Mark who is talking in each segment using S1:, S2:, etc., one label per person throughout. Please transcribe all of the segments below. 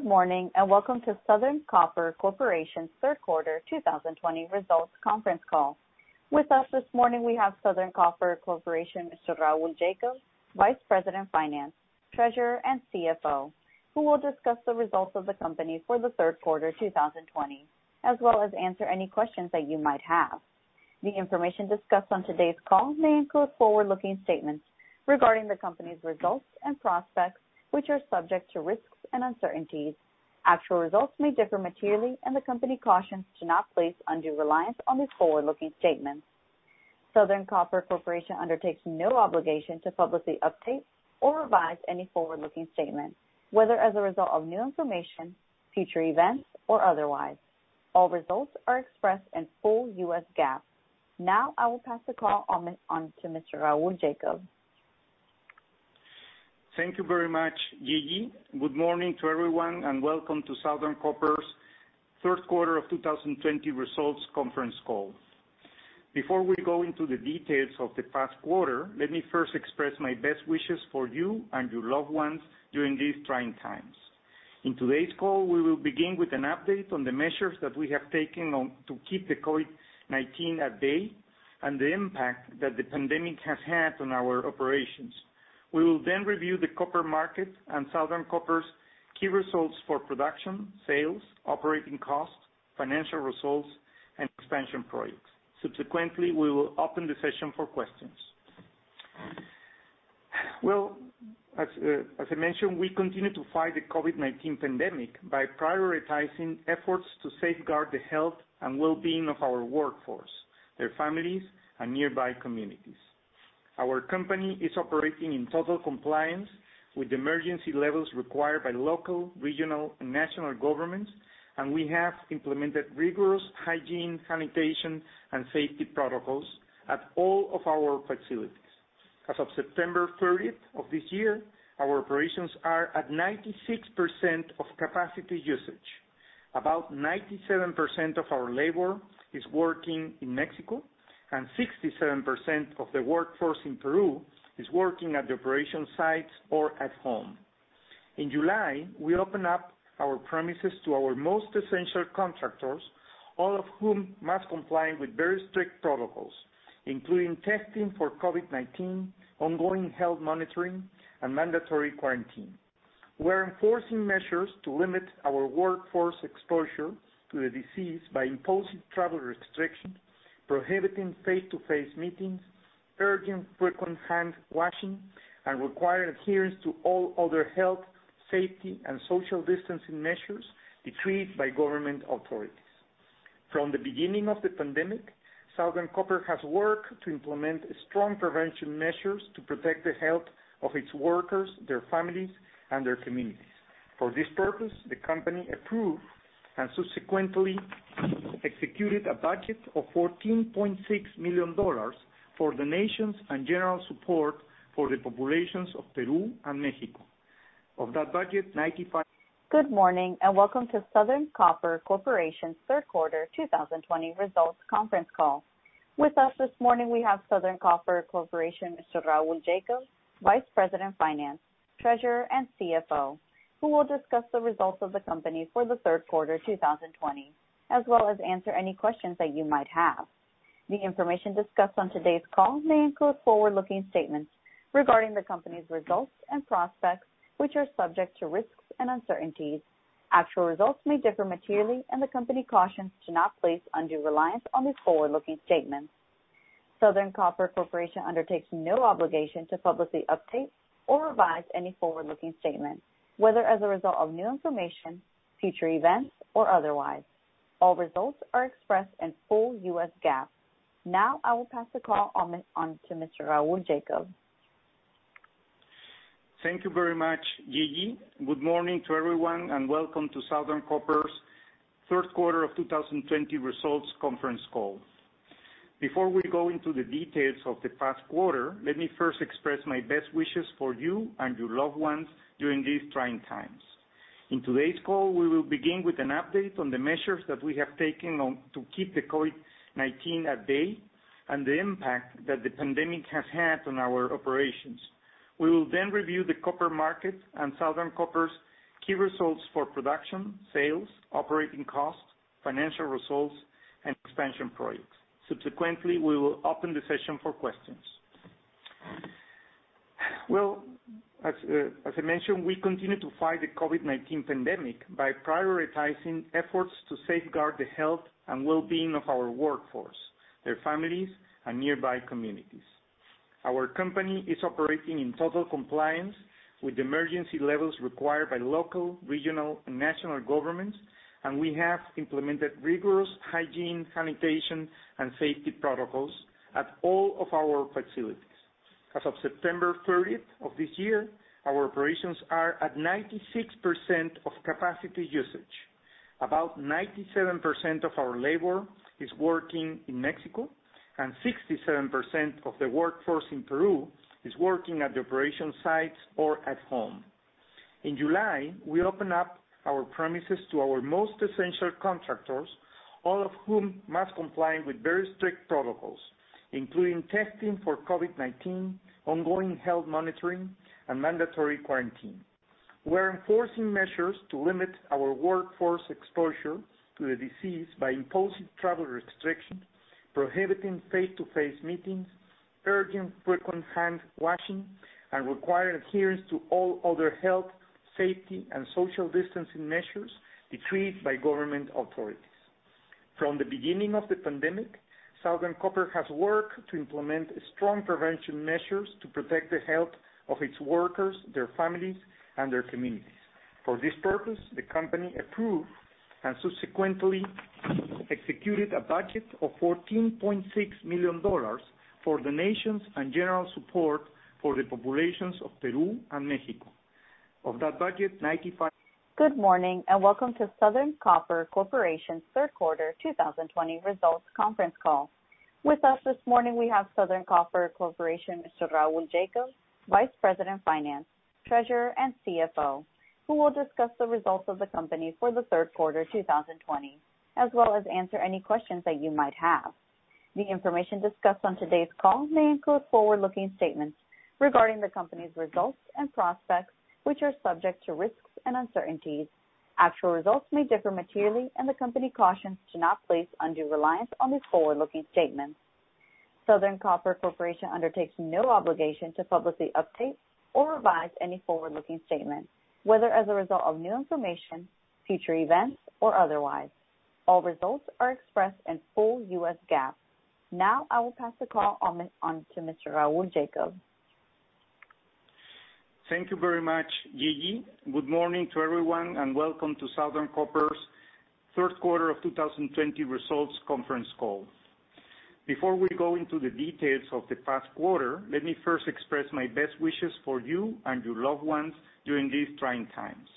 S1: Good morning and Welcome to Southern Copper Corporation's Q3 2020 Results Conference Call. With us this morning, we have Southern Copper Corporation's Mr. Raúl Jacob, Vice President Finance, Treasurer, and CFO, who will discuss the results of the company for the Q3 2020, as well as answer any questions that you might have. The information discussed on today's call may include forward-looking statements regarding the company's results and prospects, which are subject to risks and uncertainties. Actual results may differ materially, and the company cautions to not place undue reliance on these forward-looking statements. Southern Copper Corporation undertakes no obligation to publicly update or revise any forward-looking statement, whether as a result of new information, future events, or otherwise. All results are expressed in full U.S. GAAP. Now, I will pass the call on to Mr. Raúl Jacob.
S2: Thank you very much, Gigi. Good morning to everyone and Welcome to Southern Copper Q3 of 2020 Results Conference Call. Before we go into the details of the past quarter, let me first express my best wishes for you and your loved ones during these trying times. In today's call, we will begin with an update on the measures that we have taken to keep the COVID-19 at bay and the impact that the pandemic has had on our operations. We will then review the copper market and Southern Copper key results for production, sales, operating costs, financial results, and expansion projects. Subsequently, we will open the session for questions. As I mentioned, we continue to fight the COVID-19 pandemic by prioritizing efforts to safeguard the health and well-being of our workforce, their families, and nearby communities. Our company is operating in total compliance with emergency levels required by local, regional, and national governments, and we have implemented rigorous hygiene, sanitation, and safety protocols at all of our facilities. As of September 30th of this year, our operations are at 96% of capacity usage. About 97% of our labor is working in Mexico, and 67% of the workforce in Peru is working at the operation sites or at home. In July, we opened up our premises to our most essential contractors, all of whom must comply with very strict protocols, including testing for COVID-19, ongoing health monitoring, and mandatory quarantine. We're enforcing measures to limit our workforce exposure to the disease by imposing travel restrictions, prohibiting face-to-face meetings, urging frequent hand washing, and requiring adherence to all other health, safety, and social distancing measures decreed by government authorities. From the beginning of the pandemic, Southern Copper has worked to implement strong prevention measures to protect the health of its workers, their families, and their communities. For this purpose, the company approved and subsequently executed a budget of $14.6 million for donations and general support for the populations of Peru and Mexico. Of that budget, 95.
S1: Good morning and Welcome to Southern Copper Corporation's Q3 2020 Results Conference Call. With us this morning, we have Southern Copper Corporation's Mr. Raúl Jacob, Vice President Finance, Treasurer, and CFO, who will discuss the results of the company for the Q3 2020, as well as answer any questions that you might have. The information discussed on today's call may include forward-looking statements regarding the company's results and prospects, which are subject to risks and uncertainties. Actual results may differ materially, and the company cautions to not place undue reliance on these forward-looking statements. Southern Copper Corporation undertakes no obligation to publicly update or revise any forward-looking statement, whether as a result of new information, future events, or otherwise. All results are expressed in full U.S. GAAP. Now, I will pass the call on to Mr. Raúl Jacob.
S2: Thank you very much, Gigi. Good morning to everyone and Welcome to Southern Copper Q3 of 2020 Results Conference Call. Before we go into the details of the past quarter, let me first express my best wishes for you and your loved ones during these trying times.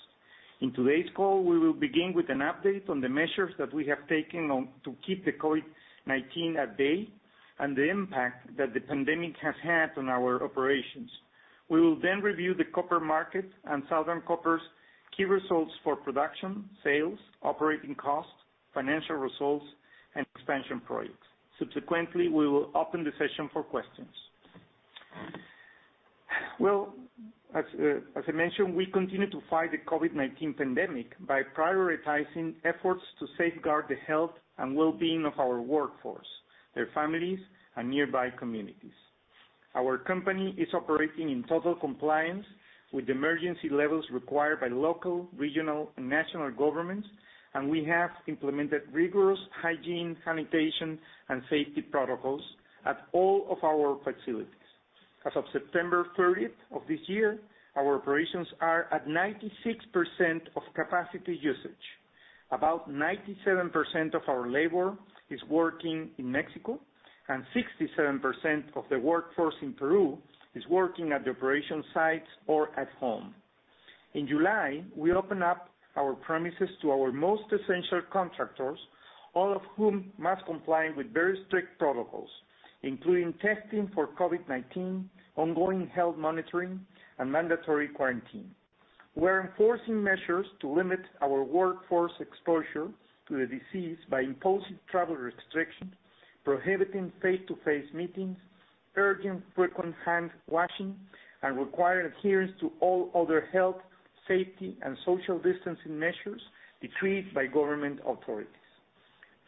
S2: In today's call, we will begin with an update on the measures that we have taken to keep the COVID-19 at bay and the impact that the pandemic has had on our operations. We will then review the copper market and Southern Copper key results for production, sales, operating costs, financial results, and expansion projects. Subsequently, we will open the session for questions. As I mentioned, we continue to fight the COVID-19 pandemic by prioritizing efforts to safeguard the health and well-being of our workforce, their families, and nearby communities. Our company is operating in total compliance with emergency levels required by local, regional, and national governments, and we have implemented rigorous hygiene, sanitation, and safety protocols at all of our facilities. As of September 30th of this year, our operations are at 96% of capacity usage. About 97% of our labor is working in Mexico, and 67% of the workforce in Peru is working at the operation sites or at home. In July, we opened up our premises to our most essential contractors, all of whom must comply with very strict protocols, including testing for COVID-19, ongoing health monitoring, and mandatory quarantine. We're enforcing measures to limit our workforce exposure to the disease by imposing travel restrictions, prohibiting face-to-face meetings, urging frequent hand washing, and requiring adherence to all other health, safety, and social distancing measures decreed by government authorities.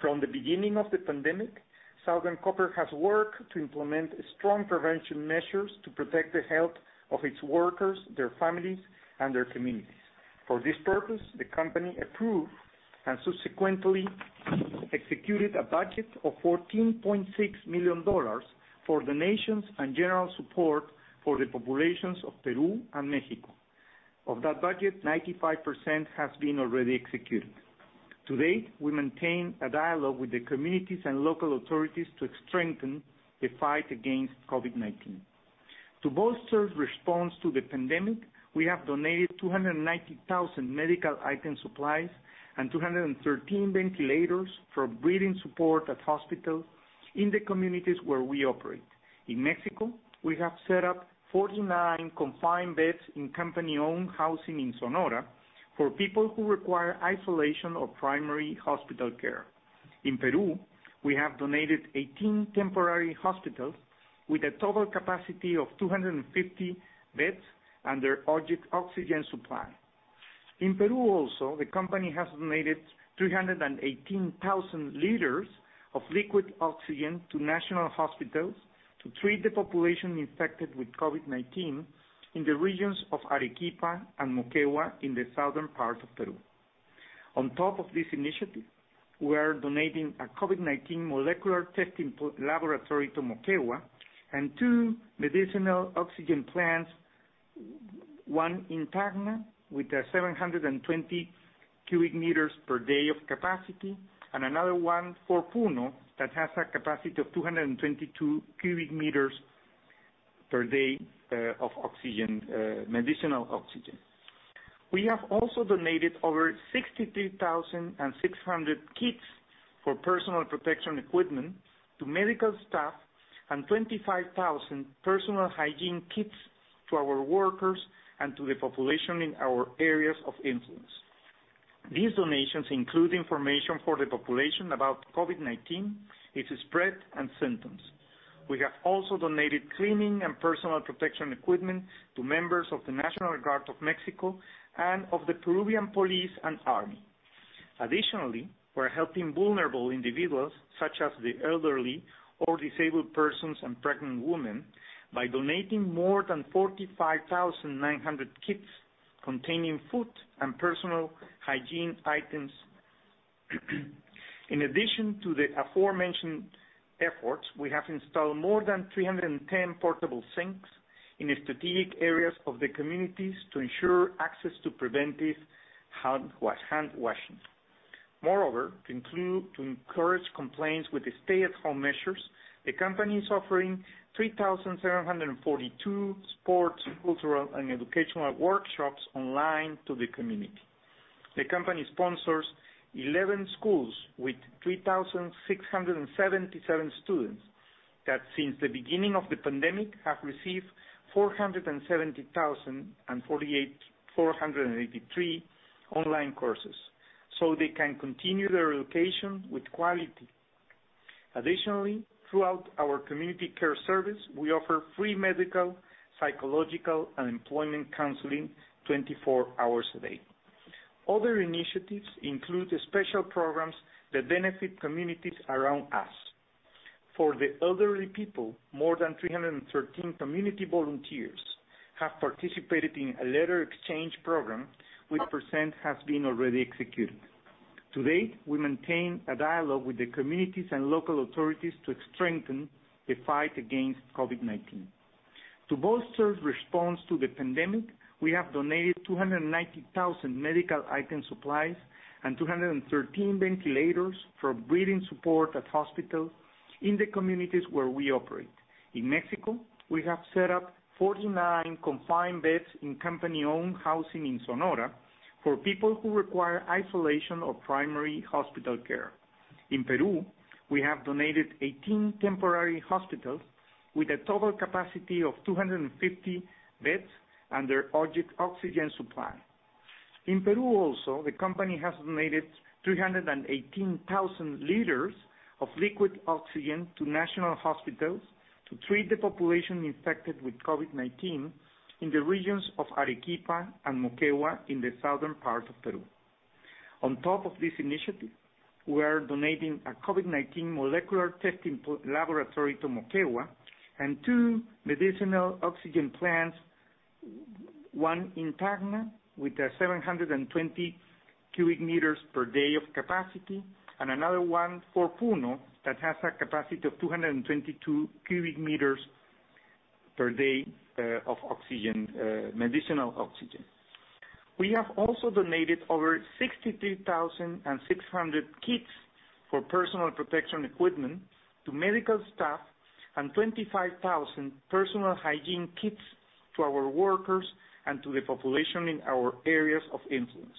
S2: From the beginning of the pandemic, Southern Copper has worked to implement strong prevention measures to protect the health of its workers, their families, and their communities. For this purpose, the company approved and 213 ventilators for breathing support at hospitals in the communities where we operate. In Mexico, we have set up 49 confined beds in company-owned housing in Sonora for people who require isolation or primary hospital care. In Peru, we have donated 18 temporary hospitals with a total capacity of 250 beds and their oxygen supply. In Peru also, the company has donated 318,000 liters of liquid oxygen to national hospitals to treat the population infected with COVID-19 in the regions of Arequipa and Moquegua in the southern part of Peru. On top of this initiative, we are donating a COVID-19 molecular testing laboratory to Moquegua and two medicinal oxygen plants, one in Tacna with 720 cubic meters per day of capacity and another one for Puno that has a capacity of 222 cubic meters per day of medicinal oxygen. We have also donated over 63,600 kits for personal protection equipment to medical staff and 25,000 personal hygiene kits to our workers and to the population in our areas of influence. These donations include information for the population about COVID-19, its spread, and symptoms. We have also donated cleaning and personal protection equipment to members of the National Guard of Mexico and of the Peruvian police and army. Additionally, we're helping vulnerable individuals such as the elderly or disabled persons and pregnant women by donating more than 45,900 kits containing food and personal hygiene items. In addition to the aforementioned efforts, we have installed more than 310 portable sinks in strategic areas of the communities to ensure access to preventive hand washing. Moreover, to encourage compliance with stay-at-home measures, the company is offering 3,742 sports, cultural, and educational workshops online to the community. The company sponsors 11 schools with 3,677 students that since the beginning of the pandemic have received 470,048 online courses so they can continue their education with quality. Additionally, throughout our community care service, we offer free medical, psychological, and employment counseling 24 hours a day. Other initiatives include special programs that benefit communities around us. For the elderly people, more than 313 community volunteers have participated in a letter exchange program with the elderly. 100% has been already executed. To date, we maintain a dialogue with the communities and local authorities to strengthen the fight against COVID-19. To bolster response to the pandemic, we have donated 290,000 medical item supplies and 213 ventilators for breathing support at hospitals in the communities where we operate. In Mexico, we have set up 49 confined beds in company-owned housing in Sonora for people who require isolation or primary hospital care. In Peru, we have donated 18 temporary hospitals with a total capacity of 250 beds and their oxygen supply. In Peru also, the company has donated 318,000 liters of liquid oxygen to national hospitals to treat the population infected with COVID-19 in the regions of Arequipa and Moquegua in the southern part of Peru. On top of this initiative, we are donating a COVID-19 molecular testing laboratory to Moquegua and two medicinal oxygen plants, one in Tacna with 720 cubic meters per day of capacity and another one for Puno that has a capacity of 222 cubic meters per day of medicinal oxygen. We have also donated over 63,600 kits for personal protection equipment to medical staff and 25,000 personal hygiene kits to our workers and to the population in our areas of influence.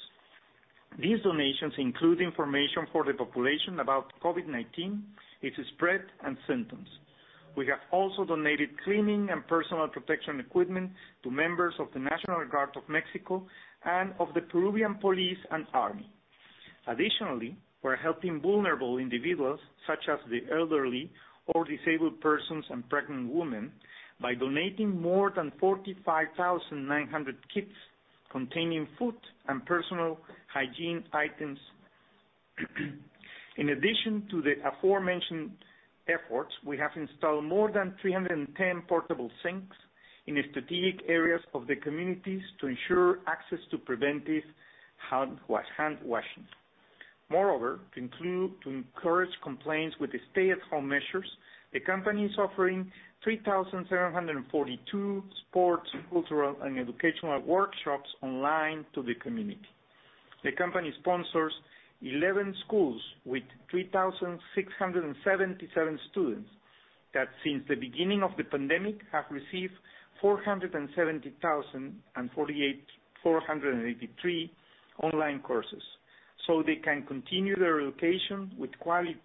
S2: These donations include information for the population about COVID-19, its spread, and symptoms. We have also donated cleaning and personal protection equipment to members of the National Guard of Mexico and of the Peruvian police and army. Additionally, we're helping vulnerable individuals such as the elderly or disabled persons and pregnant women by donating more than 45,900 kits containing food and personal hygiene items. In addition to the aforementioned efforts, we have installed more than 310 portable sinks in strategic areas of the communities to ensure access to preventive hand washing. Moreover, to encourage compliance with stay-at-home measures, the company is offering 3,742 sports, cultural, and educational workshops online to the community. The company sponsors 11 schools with 3,677 students that since the beginning of the pandemic have received 470,483 online courses so they can continue their education with quality.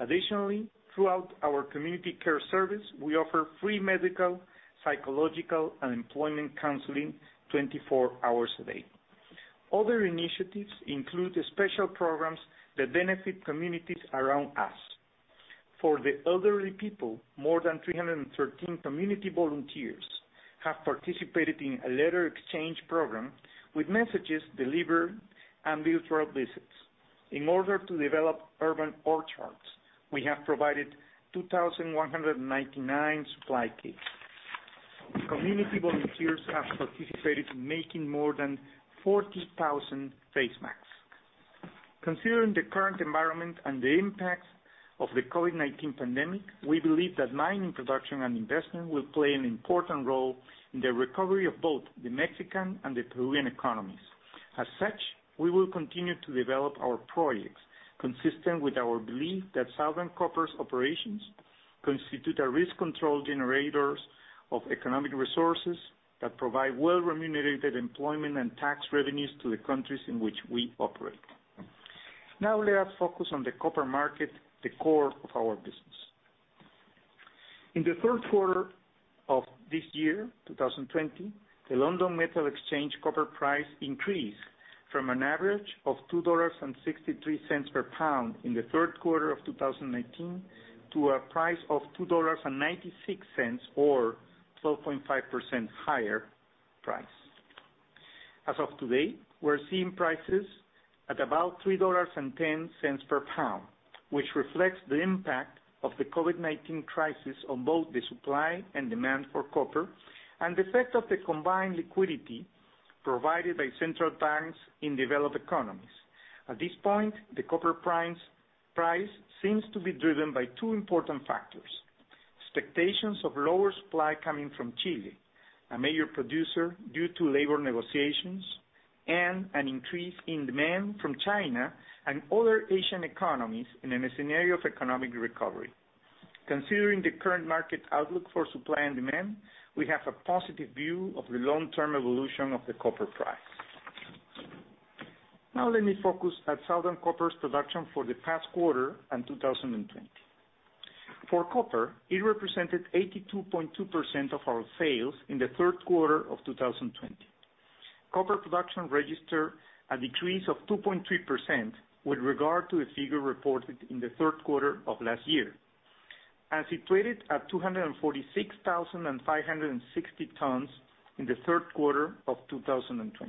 S2: Additionally, throughout our community care service, we offer free medical, psychological, and employment counseling 24 hours a day. Other initiatives include special programs that benefit communities around us. For the elderly people, more than 313 community volunteers have participated in a letter exchange program with messages delivered and virtual visits. In order to develop urban orchards, we have provided 2,199 supply kits. Community volunteers have participated in making more than 40,000 face masks. Considering the current environment and the impacts of the COVID-19 pandemic, we believe that mining production and investment will play an important role in the recovery of both the Mexican and the Peruvian economies. As such, we will continue to develop our projects consistent with our belief that Southern Copper operations constitute a risk control generator of economic resources that provide well-remunerated employment and tax revenues to the countries in which we operate. Now, let us focus on the copper market, the core of our business. In the Q3 of this year, 2020, the London Metal Exchange copper price increased from an average of $2.63 per pound in the Q3 of 2019 to a price of $2.96 or 12.5% higher price. As of today, we're seeing prices at about $3.10 per pound, which reflects the impact of the COVID-19 crisis on both the supply and demand for copper and the effect of the combined liquidity provided by central banks in developed economies. At this point, the copper price seems to be driven by two important factors: expectations of lower supply coming from Chile, a major producer due to labor negotiations, and an increase in demand from China and other Asian economies in a scenario of economic recovery. Considering the current market outlook for supply and demand, we have a positive view of the long-term evolution of the copper price. Now, let me focus on Southern Copper production for the past quarter and 2020. For copper, it represented 82.2% of our sales in the Q3 of 2020. Copper production registered a decrease of 2.3% with regard to the figure reported in the Q3 of last year and situated at 246,560 tons in the Q3 of 2020.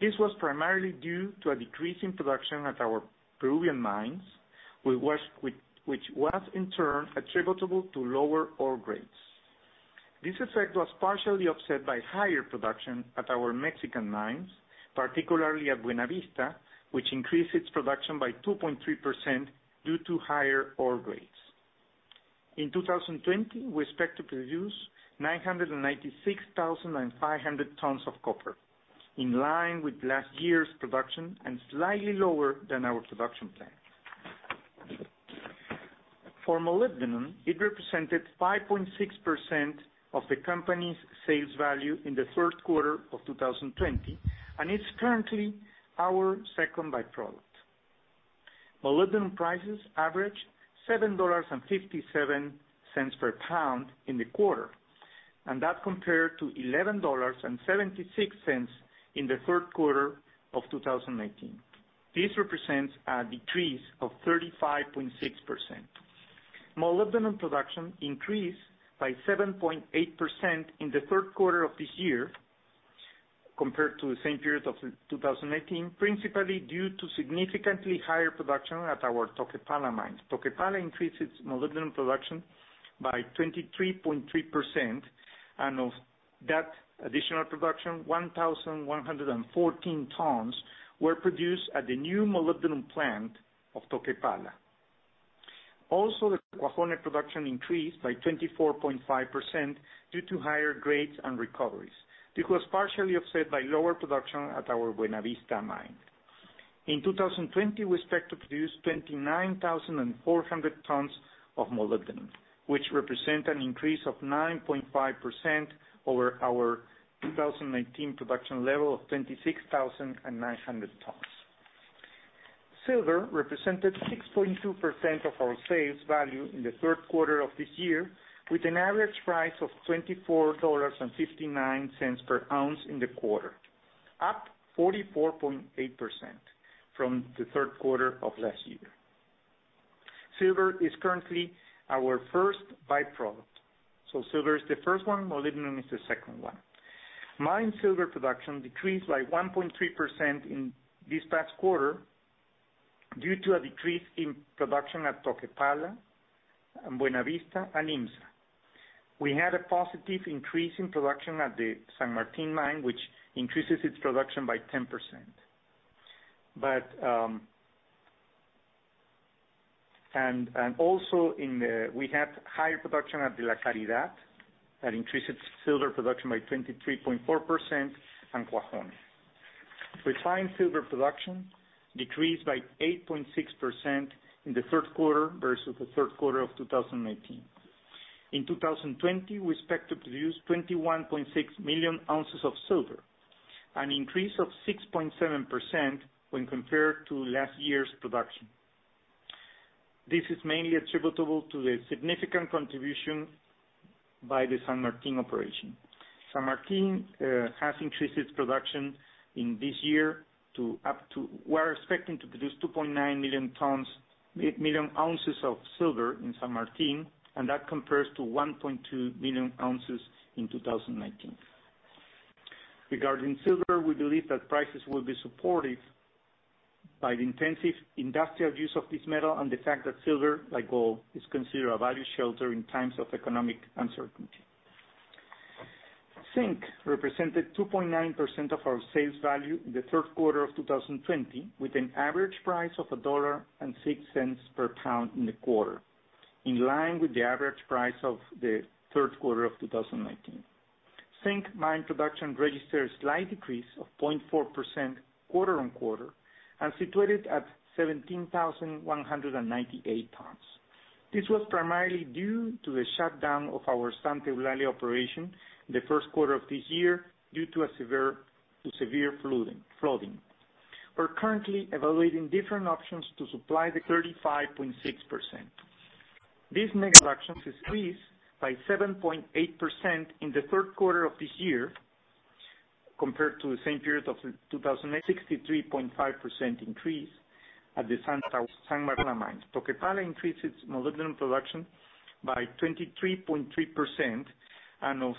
S2: This was primarily due to a decrease in production at our Peruvian mines, which was, in turn, attributable to lower ore grades. This effect was partially offset by higher production at our Mexican mines, particularly at Buenavista, which increased its production by 2.3% due to higher ore grades. In 2020, we expect to produce 996,500 tons of copper in line with last year's production and slightly lower than our production plan. For molybdenum, it represented 5.6% of the company's sales value in the Q3 of 2020, and it's currently our second byproduct. Molybdenum prices averaged $7.57 per pound in the quarter, and that compared to $11.76 in the Q3 of 2019. This represents a decrease of 35.6%. Molybdenum production increased by 7.8% in the Q3 of this year compared to the same period of 2018, principally due to significantly higher production at our Toquepala mines. Toquepala increased its molybdenum production by 23.3%, and of that additional production, 1,114 tons were produced at the new molybdenum plant of Toquepala. Also, the Cuajone production increased by 24.5% due to higher grades and recoveries. This was partially offset by lower production at our Buenavista mine. In 2020, we expect to produce 29,400 tons of molybdenum, which represents an increase of 9.5% over our 2019 production level of 26,900 tons. Silver represented 6.2% of our sales value in the Q3 of this year, with an average price of $24.59 per ounce in the quarter, up 44.8% from the Q3 of last year. Silver is currently our first byproduct, so silver is the first one, molybdenum is the second one. Mining silver production decreased by 1.3% in this past quarter due to a decrease in production at Toquepala, Buenavista, and IMMSA. We had a positive increase in production at the San Martin mine, which increases its production by 10%, and also we had higher production at the La Caridad that increased its silver production by 23.4% and Cuajone. Refined silver production decreased by 8.6% in the Q3 versus the Q3 of 2019. In 2020, we expect to produce 21.6 million ounces of silver, an increase of 6.7% when compared to last year's production. This is mainly attributable to the significant contribution by the San Martin operation. San Martin has increased its production in this year to, up to, we're expecting to produce 2.9 million ounces of silver in San Martin, and that compares to 1.2 million ounces in 2019. Regarding silver, we believe that prices will be supported by the intensive industrial use of this metal and the fact that silver, like gold, is considered a safe haven in times of economic uncertainty. Zinc represented 2.9% of our sales value in the Q3 of 2020, with an average price of $1.06 per pound in the quarter, in line with the average price of the Q3 of 2019. Zinc mine production registered a slight decrease of 0.4% quarter on quarter and situated at 17,198 tons. This was primarily due to the shutdown of our Santa Eulalia operation in the Q1 of this year due to severe flooding. We're currently evaluating different options to supply the 35.6%. This production decreased by 7.8% in the Q3 of this year compared to the same period of 2019. 63.5% increase at the San Martin mines. Toquepala increased its molybdenum production by 23.3%, and of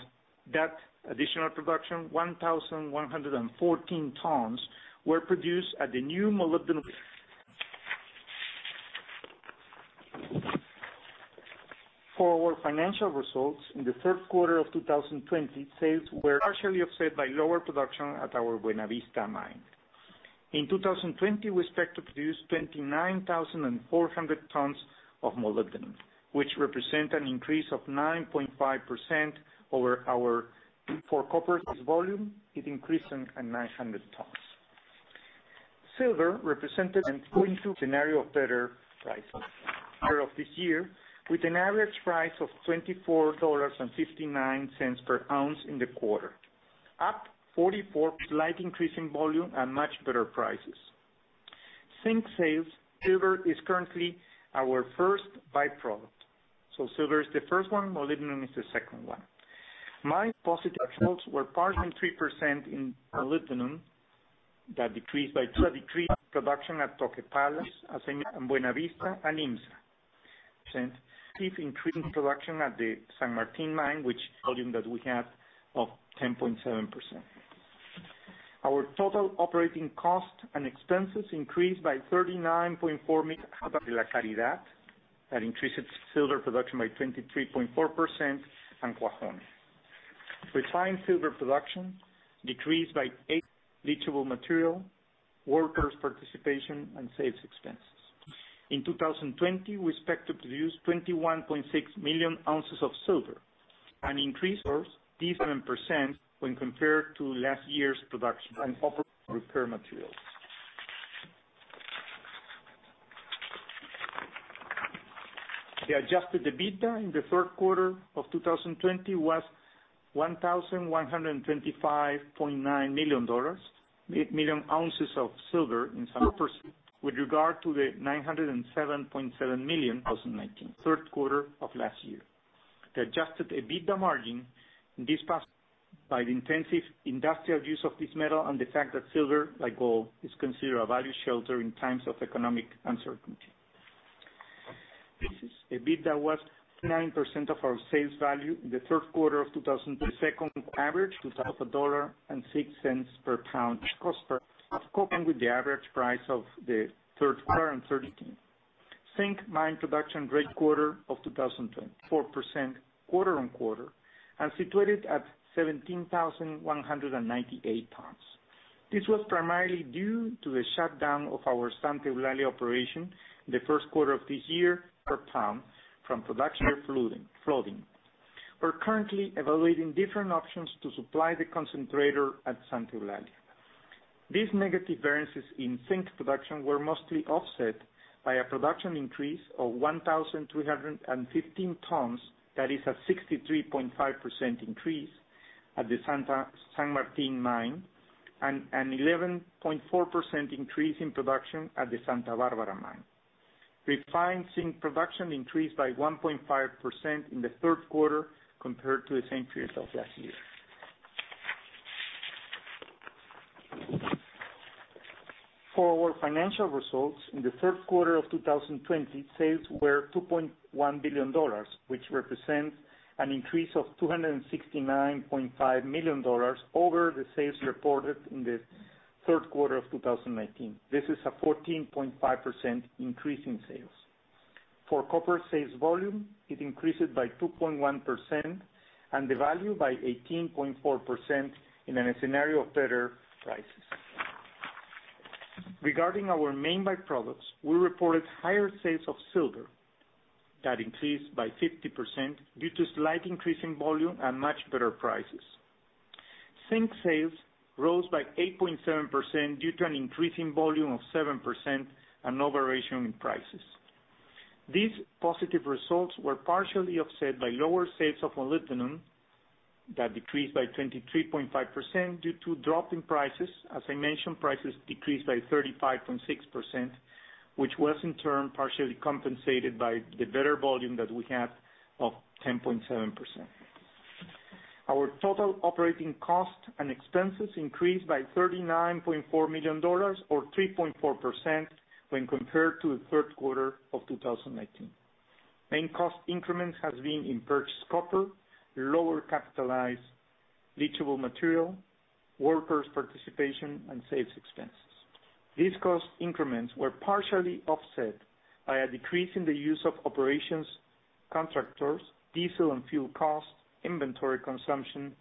S2: that additional production, 1,114 tons were produced at the new molybdenum mine. For our financial results, in the Q3 of 2020, sales were partially offset by lower production at our Buenavista mine. In 2020, we expect to produce 29,400 tons of molybdenum, which represents an increase of 9.5% over our for copper's volume, it increased at 900 tons. Silver represented an improving scenario of better prices. Of this year, with an average price of $24.59 per ounce in the quarter, up 44%. Slight increase in volume and much better prices. Zinc sales. Silver is currently our first byproduct. So silver is the first one, molybdenum is the second one. Molybdenum positive results were partial 23% in molybdenum that decreased by. That decreased production at Toquepala, Buenavista, and IMMSA. If increasing production at the San Martin mine, which volume that we had of 10.7%. Our total operating cost and expenses increased by $39.4 million at La Caridad that increased its silver production by 23.4% and Cuajone. Refined silver production decreased by. Leachable material, workers' participation, and sales expenses. In 2020, we expect to produce 21.6 million ounces of silver, an increase of 37%. When compared to last year's production and copper repair materials. The adjusted EBITDA in the Q3 of 2020 was $1,125.9 million. Million ounces of silver in San Martin with regard to the 907.7 million in 2019. Q3 of last year. The adjusted EBITDA margin this past. By the intensive industrial use of this metal and the fact that silver, like gold, is considered a value shelter in times of economic uncertainty. This EBITDA was 29% of our sales value in the Q3 of. The second average $2.06 per pound cost per copper, with the average price of the Q3 and 2019. Zinc mine production great quarter of 2020. 24% quarter on quarter and situated at 17,198 tons. This was primarily due to the shutdown of our Santa Eulalia operation in the Q1 of this year. Per pound from production year flooding. We're currently evaluating different options to supply the concentrator at Santa Eulalia. These negative variances in zinc production were mostly offset by a production increase of 1,315 tons that is a 63.5% increase at the San Martin mine and an 11.4% increase in production at the Santa Barbara mine. Refined zinc production increased by 1.5% in the Q3 compared to the same period of last year. For our financial results, in the Q3 of 2020, sales were $2.1 billion, which represents an increase of $269.5 million over the sales reported in the Q3 of 2019. This is a 14.5% increase in sales. For copper sales volume, it increased by 2.1% and the value by 18.4% in a scenario of better prices. Regarding our main byproducts, we reported higher sales of silver that increased by 50% due to slight increase in volume and much better prices. Zinc sales rose by 8.7% due to an increase in volume of 7% and higher average prices. These positive results were partially offset by lower sales of molybdenum that decreased by 23.5% due to a drop in prices. As I mentioned, prices decreased by 35.6%, which was, in turn, partially compensated by the better volume that we had of 10.7%. Our total operating costs and expenses increased by $39.4 million or 3.4% when compared to the Q3 of 2019. Main cost increments have been in purchased copper, lower capitalized leachable material, workers' participation, and sales expenses. These cost increments were partially offset by a decrease in the use of operations contractors, diesel and fuel costs, inventory consumption,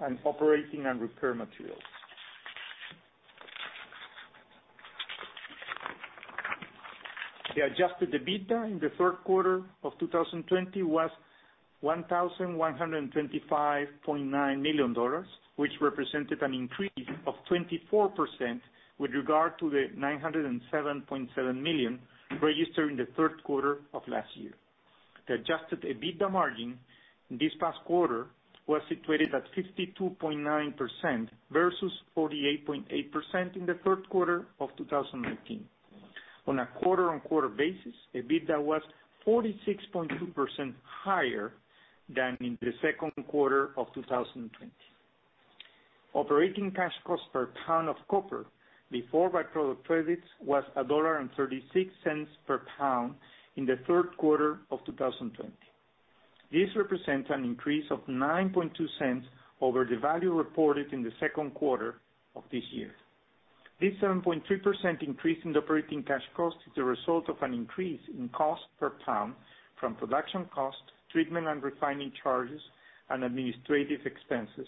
S2: and operating and repair materials. The adjusted EBITDA in the Q3 of 2020 was $1,125.9 million, which represented an increase of 24% with regard to the $907.7 million registered in the Q3 of last year. The adjusted EBITDA margin this past quarter was situated at 52.9% versus 48.8% in the Q3 of 2019. On a quarter-on-quarter basis, EBITDA was 46.2% higher than in the Q2 of 2020. Operating cash cost per pound of copper before byproduct credits was $1.36 per pound in the Q3 of 2020. This represents an increase of $0.092 over the value reported in the Q2 of this year. This 7.3% increase in operating cash cost is the result of an increase in cost per pound from production cost, treatment and refining charges, and administrative expenses,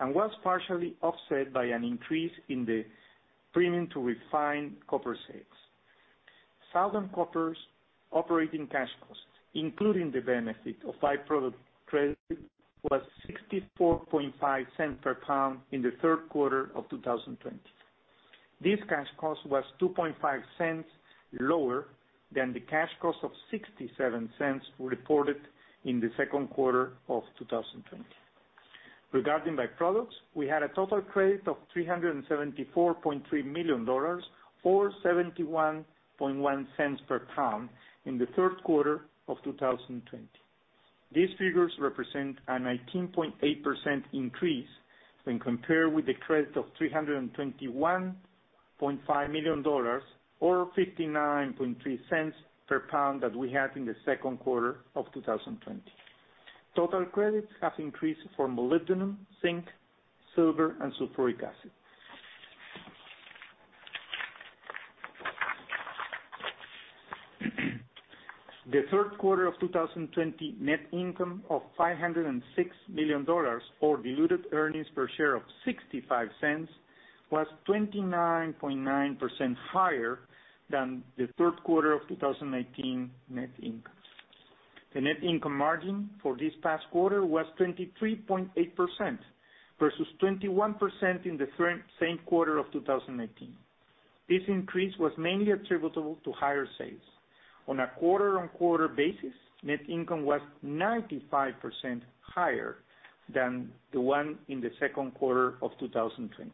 S2: and was partially offset by an increase in the premium to refined copper sales. Southern Copper operating cash cost, including the benefit of byproduct credits, was $0.645 per pound in the Q3 of 2020. This cash cost was $0.025 lower than the cash cost of $0.67 reported in the Q2 of 2020. Regarding byproducts, we had a total credit of $374.3 million or $0.711 per pound in the Q3 of 2020. These figures represent a 19.8% increase when compared with the credit of $321.5 million or $0.593 per pound that we had in the Q2 of 2020. Total credits have increased for molybdenum, zinc, silver, and sulfuric acid. The Q3 of 2020 net income of $506 million or diluted earnings per share of $0.65 was 29.9% higher than the Q3 of 2019 net income. The net income margin for this past quarter was 23.8% versus 21% in the same quarter of 2019. This increase was mainly attributable to higher sales. On a quarter-on-quarter basis, net income was 95% higher than the one in the Q2 of 2020.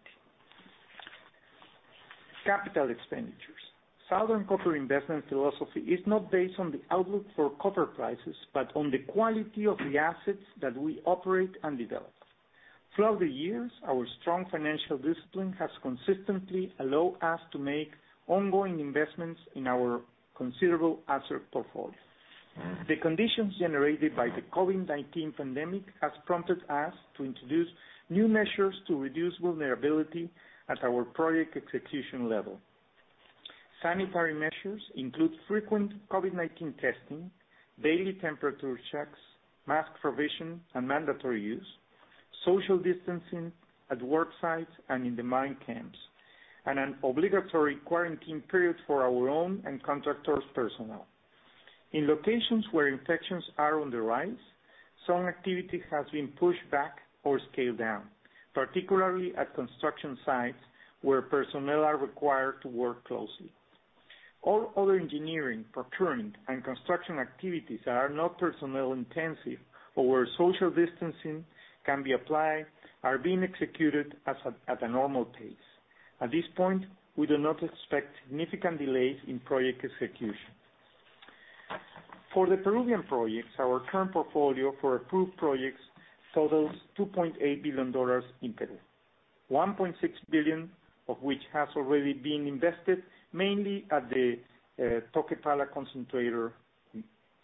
S2: Capital expenditures. Southern Copper investment philosophy is not based on the outlook for copper prices but on the quality of the assets that we operate and develop. Throughout the years, our strong financial discipline has consistently allowed us to make ongoing investments in our considerable asset portfolio. The conditions generated by the COVID-19 pandemic have prompted us to introduce new measures to reduce vulnerability at our project execution level. Sanitary measures include frequent COVID-19 testing, daily temperature checks, mask provision and mandatory use, social distancing at work sites and in the mine camps, and an obligatory quarantine period for our own and contractors' personnel. In locations where infections are on the rise, some activity has been pushed back or scaled down, particularly at construction sites where personnel are required to work closely. All other engineering, procurement, and construction activities that are not personnel-intensive or where social distancing can be applied are being executed at a normal pace. At this point, we do not expect significant delays in project execution. For the Peruvian projects, our current portfolio for approved projects totals $2.8 billion in total, $1.6 billion of which has already been invested mainly at the Toquepala concentrator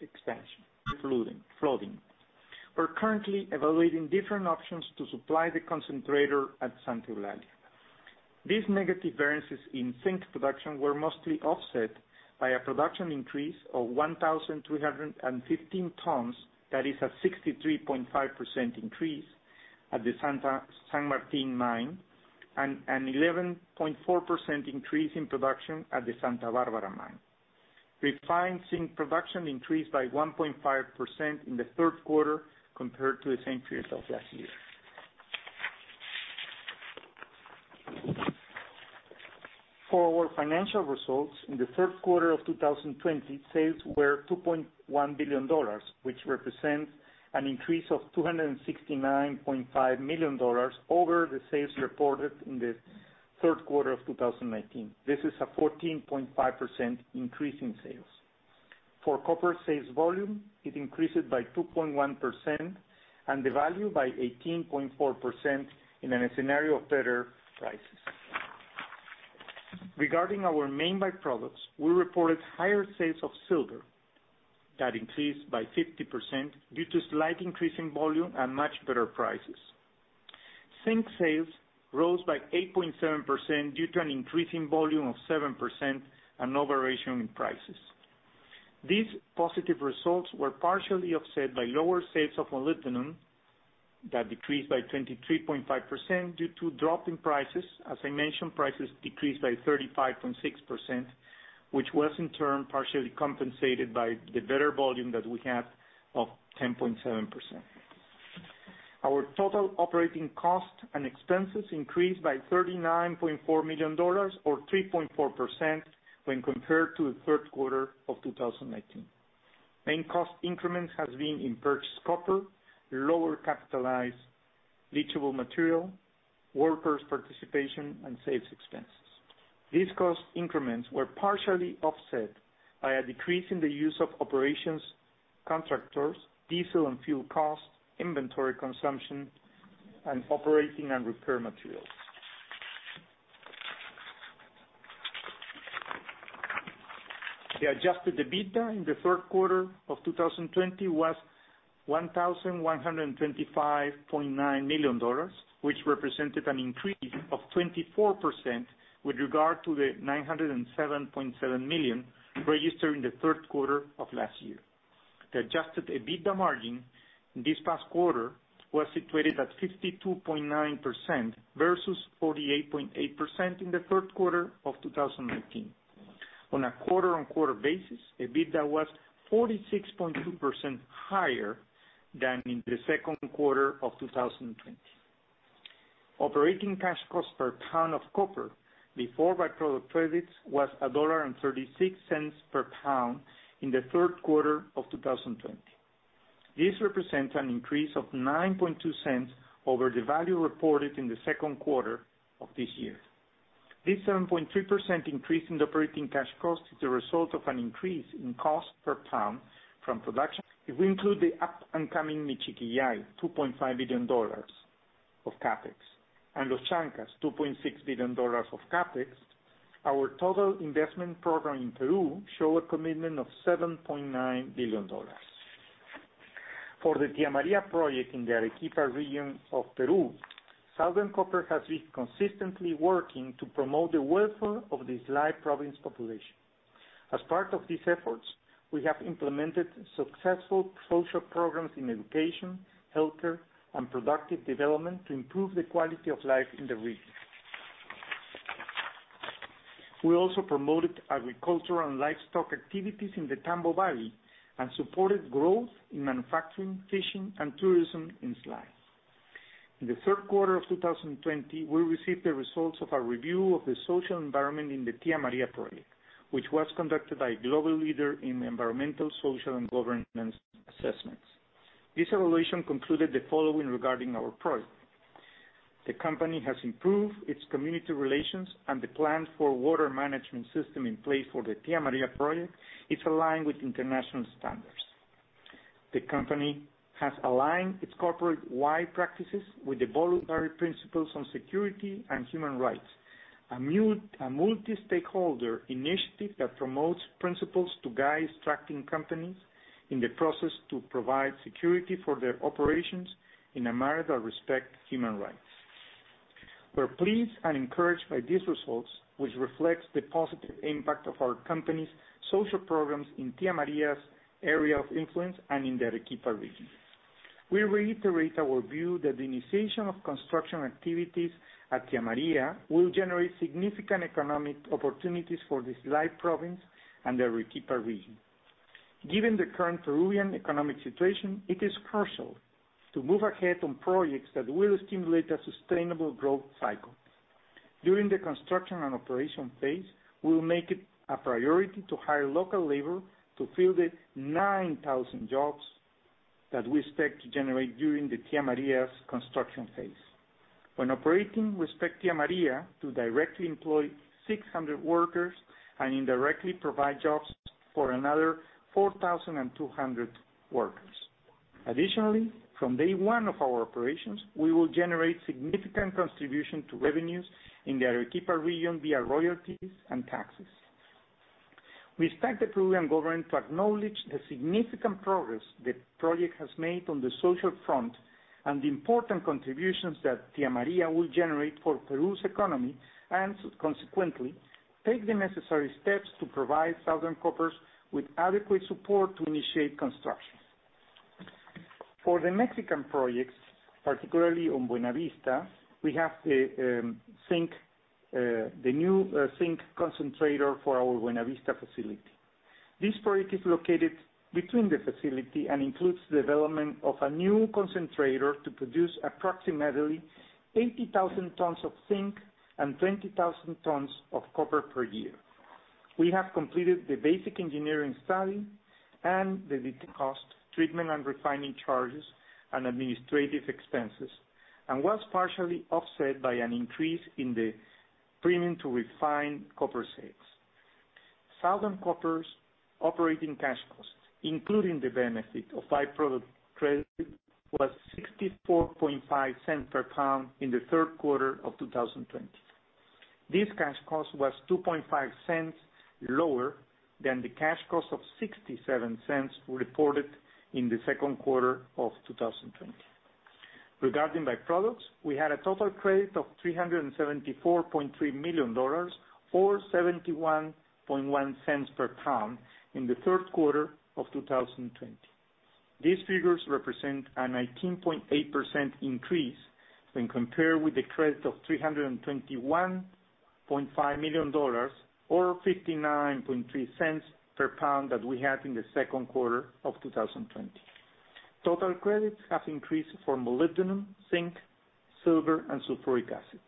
S2: expansion. Flooding. We're currently evaluating different options to supply the concentrator at Santa Eulalia. These negative variances in zinc production were mostly offset by a production increase of 1,315 tons that is a 63.5% increase at the San Martin mine and an 11.4% increase in production at the Santa Barbara mine. Refined zinc production increased by 1.5% in the Q3 compared to the same period of last year. For our financial results, in the Q3 of 2020, sales were $2.1 billion, which represents an increase of $269.5 million over the sales reported in the Q3 of 2019. This is a 14.5% increase in sales. For copper sales volume, it increased by 2.1% and the value by 18.4% in a scenario of better prices. Regarding our main byproducts, we reported higher sales of silver that increased by 50% due to slight increase in volume and much better prices. Zinc sales rose by 8.7% due to an increase in volume of 7% and higher prices. These positive results were partially offset by lower sales of molybdenum that decreased by 23.5% due to drop in prices. As I mentioned, prices decreased by 35.6%, which was, in turn, partially compensated by the better volume that we had of 10.7%. Our total operating cost and expenses increased by $39.4 million or 3.4% when compared to the Q3 of 2019. Main cost increments have been in purchased copper, lower capitalized leachable material, workers' participation, and sales expenses. These cost increments were partially offset by a decrease in the use of operations contractors, diesel and fuel costs, inventory consumption, and operating and repair materials. The adjusted EBITDA in the Q3 of 2020 was $1,125.9 million, which represented an increase of 24% with regard to the $907.7 million registered in the Q3 of last year. The adjusted EBITDA margin this past quarter was situated at 52.9% versus 48.8% in the Q3 of 2019. On a quarter-on-quarter basis, EBITDA was 46.2% higher than in the Q2 of 2020. Operating cash cost per pound of copper before byproduct credits was $1.36 per pound in the Q3 of 2020. This represents an increase of $0.092 over the value reported in the Q2 of this year. This 7.3% increase in operating cash cost is the result of an increase in cost per pound from production. If we include the up-and-coming Michiquillay, $2.5 billion of CapEx, and Los Chancas, $2.6 billion of CapEx, our total investment program in Peru shows a commitment of $7.9 billion. For the Tía María project in the Arequipa region of Peru, Southern Copper has been consistently working to promote the welfare of the Islay Province population. As part of these efforts, we have implemented successful social programs in education, healthcare, and productive development to improve the quality of life in the region. We also promoted agricultural and livestock activities in the Tambo Valley and supported growth in manufacturing, fishing, and tourism in Islay. In the Q3 of 2020, we received the results of our review of the social environment in the Tía María project, which was conducted by a global leader in environmental, social, and governance assessments. This evaluation concluded the following regarding our project: the company has improved its community relations, and the plan for water management system in place for the Tía María project is aligned with international standards. The company has aligned its corporate-wide practices with the Voluntary Principles on Security and Human Rights, a multi-stakeholder initiative that promotes principles to guide mining companies in the process to provide security for their operations in a manner that respects human rights. We're pleased and encouraged by these results, which reflect the positive impact of our company's social programs in Tía María's area of influence and in the Arequipa region. We reiterate our view that the initiation of construction activities at Tía María will generate significant economic opportunities for the Islay Province and the Arequipa region. Given the current Peruvian economic situation, it is crucial to move ahead on projects that will stimulate a sustainable growth cycle. During the construction and operation phase, we will make it a priority to hire local labor to fill the 9,000 jobs that we expect to generate during the Tía María's construction phase. When operating, we expect Tía María to directly employ 600 workers and indirectly provide jobs for another 4,200 workers. Additionally, from day one of our operations, we will generate significant contributions to revenues in the Arequipa region via royalties and taxes. We expect the Peruvian government to acknowledge the significant progress the project has made on the social front and the important contributions that Tía María will generate for Peru's economy and, consequently, take the necessary steps to provide Southern Copper with adequate support to initiate construction. For the Mexican projects, particularly on Buenavista, we have the new zinc concentrator for our Buenavista facility. This project is located between the facility and includes the development of a new concentrator to produce approximately 80,000 tons of zinc and 20,000 tons of copper per year. We have completed the basic engineering study and the cost, treatment and refining charges, and administrative expenses, and was partially offset by an increase in the premium to refined copper sales. Southern Copper operating cash cost, including the benefit of byproduct credits, was $0.645 per pound in the Q3 of 2020. This cash cost was $0.025 lower than the cash cost of $0.67 reported in the Q2 of 2020. Regarding byproducts, we had a total credit of $374.3 million or $0.711 per pound in the Q3 of 2020. These figures represent a 19.8% increase when compared with the credit of $321.5 million or $0.593 per pound that we had in the Q2 of 2020. Total credits have increased for molybdenum, zinc, silver, and sulfuric acid.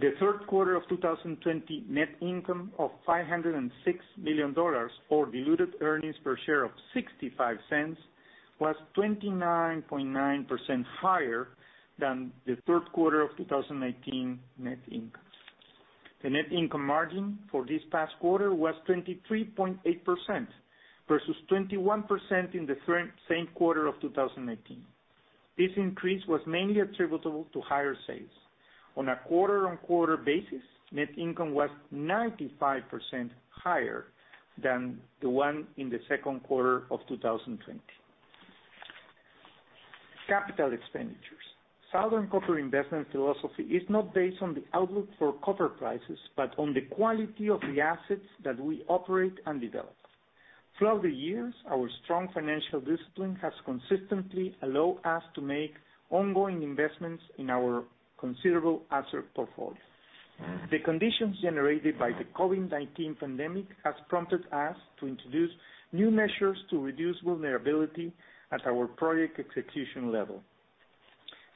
S2: The Q3 of 2020 net income of $506 million or diluted earnings per share of $0.65 was 29.9% higher than the Q3 of 2019 net income. The net income margin for this past quarter was 23.8% versus 21% in the same quarter of 2019. This increase was mainly attributable to higher sales. On a quarter-on-quarter basis, net income was 95% higher than the one in the Q2 of 2020. Capital expenditures. Southern Copper investment philosophy is not based on the outlook for copper prices but on the quality of the assets that we operate and develop. Throughout the years, our strong financial discipline has consistently allowed us to make ongoing investments in our considerable asset portfolio. The conditions generated by the COVID-19 pandemic have prompted us to introduce new measures to reduce vulnerability at our project execution level.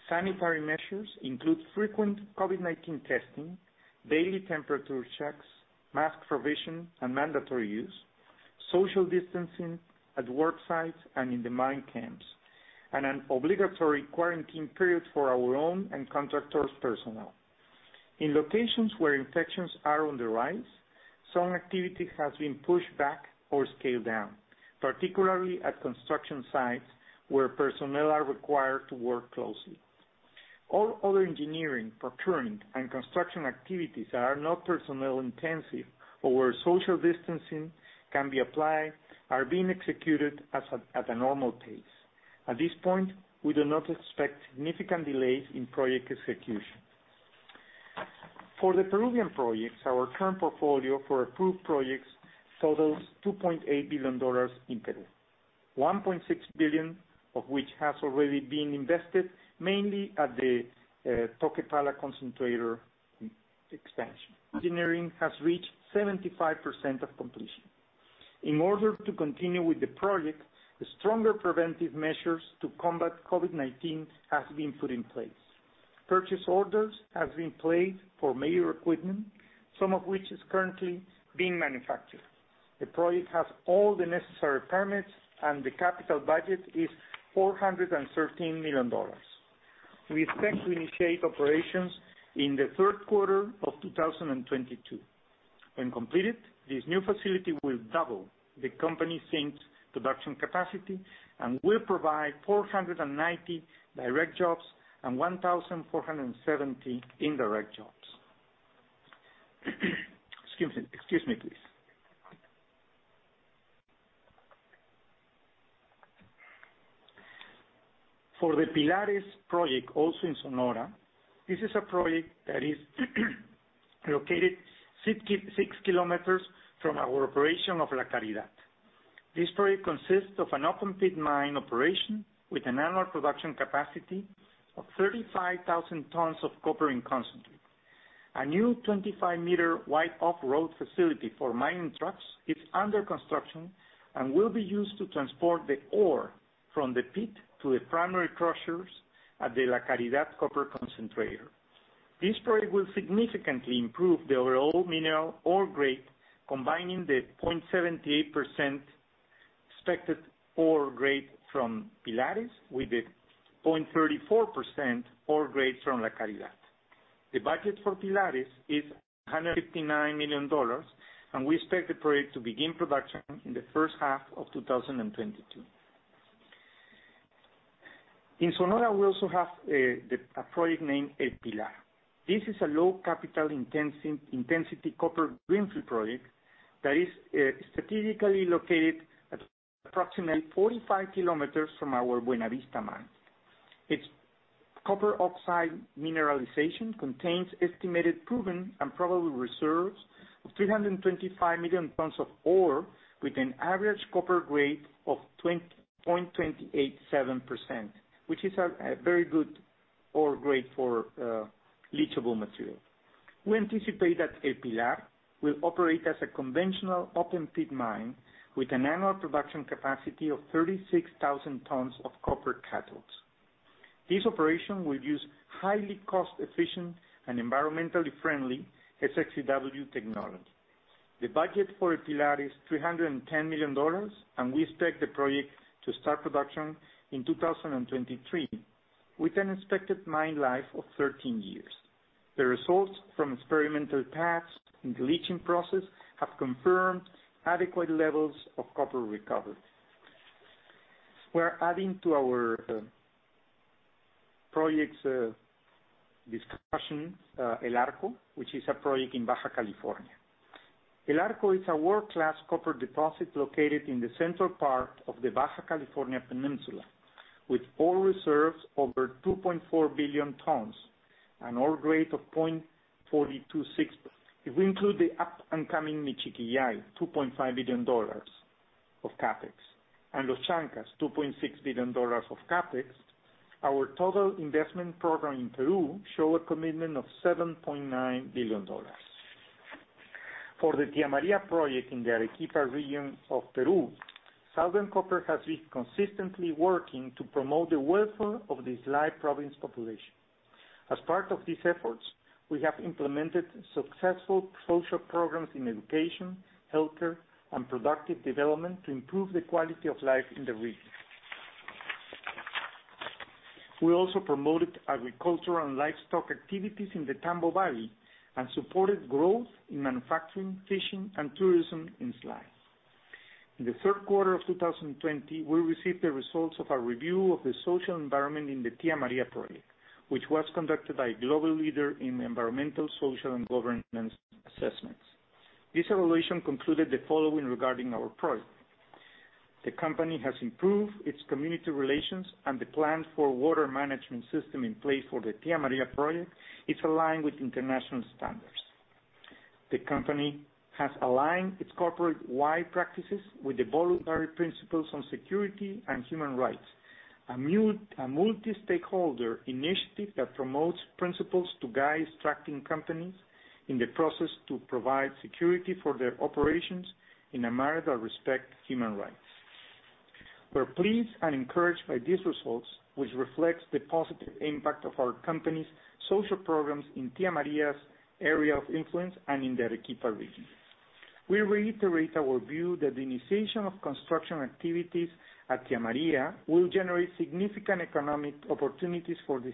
S2: Sanitary measures include frequent COVID-19 testing, daily temperature checks, mask provision and mandatory use, social distancing at work sites and in the mine camps, and an obligatory quarantine period for our own and contractors' personnel. In locations where infections are on the rise, some activity has been pushed back or scaled down, particularly at construction sites where personnel are required to work closely. All other engineering, procurement, and construction activities that are not personnel-intensive or where social distancing can be applied are being executed at a normal pace. At this point, we do not expect significant delays in project execution. For the Peruvian projects, our current portfolio for approved projects totals $2.8 billion in total, $1.6 billion of which has already been invested mainly at the Toquepala concentrator expansion. Engineering has reached 75% of completion. In order to continue with the project, stronger preventive measures to combat COVID-19 have been put in place. Purchase orders have been placed for major equipment, some of which is currently being manufactured. The project has all the necessary permits, and the capital budget is $413 million. We expect to initiate operations in the Q3 of 2022. When completed, this new facility will double the company's zinc production capacity and will provide 490 direct jobs and 1,470 indirect jobs. Excuse me, please. For the Pilares project, also in Sonora, this is a project that is located 6 kilometers from our operation of La Caridad. This project consists of an open-pit mine operation with an annual production capacity of 35,000 tons of copper in concentrate. A new 25-meter wide off-road facility for mining trucks is under construction and will be used to transport the ore from the pit to the primary crushers at the La Caridad copper concentrator. This project will significantly improve the overall mineral ore grade, combining the 0.78% expected ore grade from Pilares with the 0.34% ore grade from La Caridad. The budget for Pilares is $159 million, and we expect the project to begin production in the first half of 2022. In Sonora, we also have a project named El Pilar. This is a low-capital-intensity copper greenfield project that is strategically located at approximately 45 kilometers from our Buenavista mine. Its copper oxide mineralization contains estimated proven and probable reserves of 325 million tons of ore with an average copper grade of 20.287%, which is a very good ore grade for leachable material. We anticipate that El Pilar will operate as a conventional open-pit mine with an annual production capacity of 36,000 tons of copper cathodes. This operation will use highly cost-efficient and environmentally friendly SX-EW technology. The budget for El Pilar is $310 million, and we expect the project to start production in 2023 with an expected mine life of 13 years. The results from experimental pads in the leaching process have confirmed adequate levels of copper recovery. We are adding to our project's discussion El Arco, which is a project in Baja California. El Arco is a world-class copper deposit located in the central part of the Baja California Peninsula with ore reserves over 2.4 billion tons and ore grade of 0.426. If we include the up-and-coming Michiquillay, $2.5 billion of CapEx, and Los Chancas, $2.6 billion of CapEx, our total investment program in Peru shows a commitment of $7.9 billion. For the Tía María project in the Arequipa region of Peru, Southern Copper has been consistently working to promote the welfare of the Islay Province population. As part of these efforts, we have implemented successful social programs in education, healthcare, and productive development to improve the quality of life in the region. We also promoted agricultural and livestock activities in the Tambo Valley and supported growth in manufacturing, fishing, and tourism in Islay. In the Q3 of 2020, we received the results of our review of the social environment in the Tía María project, which was conducted by a global leader in environmental, social, and governance assessments. This evaluation concluded the following regarding our project: the company has improved its community relations, and the plan for water management system in place for the Tía María project is aligned with international standards. The company has aligned its corporate-wide practices with the Voluntary Principles on Security and Human Rights, a multi-stakeholder initiative that promotes principles to guide mining companies in the process to provide security for their operations in a manner that respects human rights. We're pleased and encouraged by these results, which reflect the positive impact of our company's social programs in Tía María's area of influence and in the Arequipa region. We reiterate our view that the initiation of construction activities at Tía María will generate significant economic opportunities for the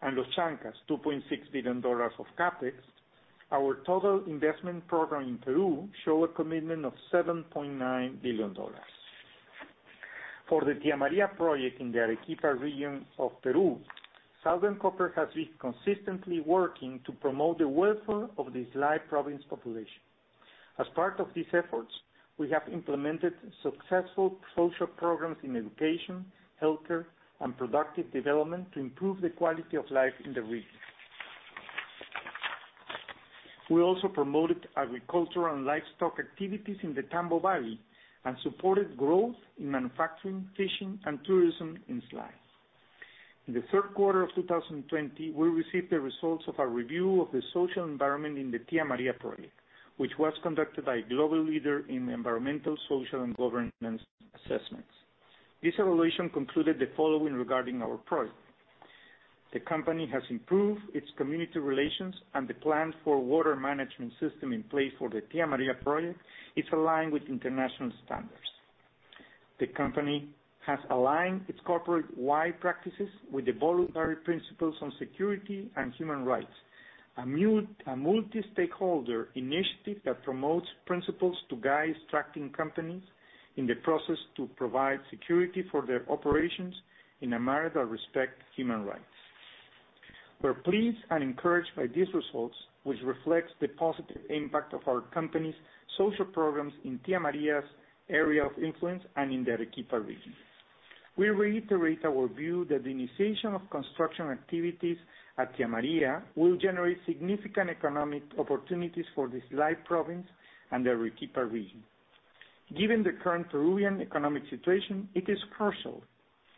S2: Islay Province and the Arequipa region. Given the current Peruvian economic situation, it is crucial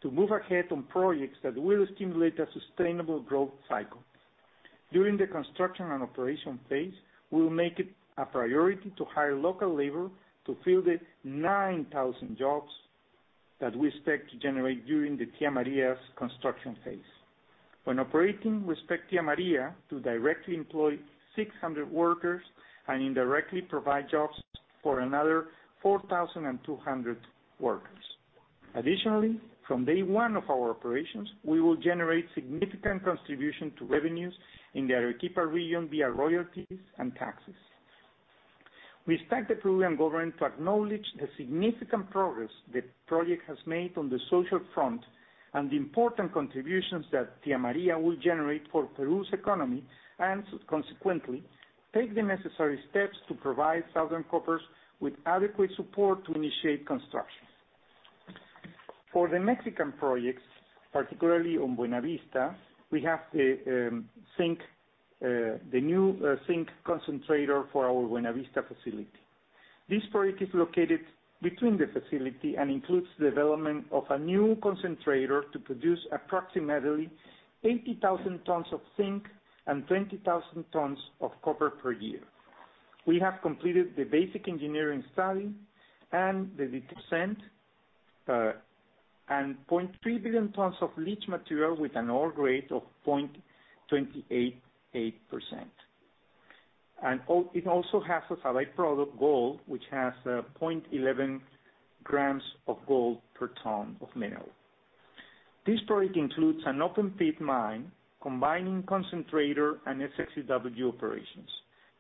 S2: to move ahead on projects that will stimulate a sustainable growth cycle. During the construction and operation phase, we will make it a priority to hire local labor to fill the 9,000 jobs that we expect to generate during the Tía María's construction phase. When operating, we expect Tía María to directly employ 600 workers and indirectly provide jobs for another 4,200 workers. Additionally, from day one of our operations, we will generate significant contributions to revenues in the Arequipa region via royalties and taxes. We expect the Peruvian government to acknowledge the significant progress the project has made on the social front and the important contributions that Tía María will generate for Peru's economy and, consequently, take the necessary steps to provide Southern Copper with adequate support to initiate construction. For the Mexican projects, particularly on Buenavista, we have the new zinc concentrator for our Buenavista facility. This project is located between the facility and includes the development of a new concentrator to produce approximately 80,000 tons of zinc and 20,000 tons of copper per year.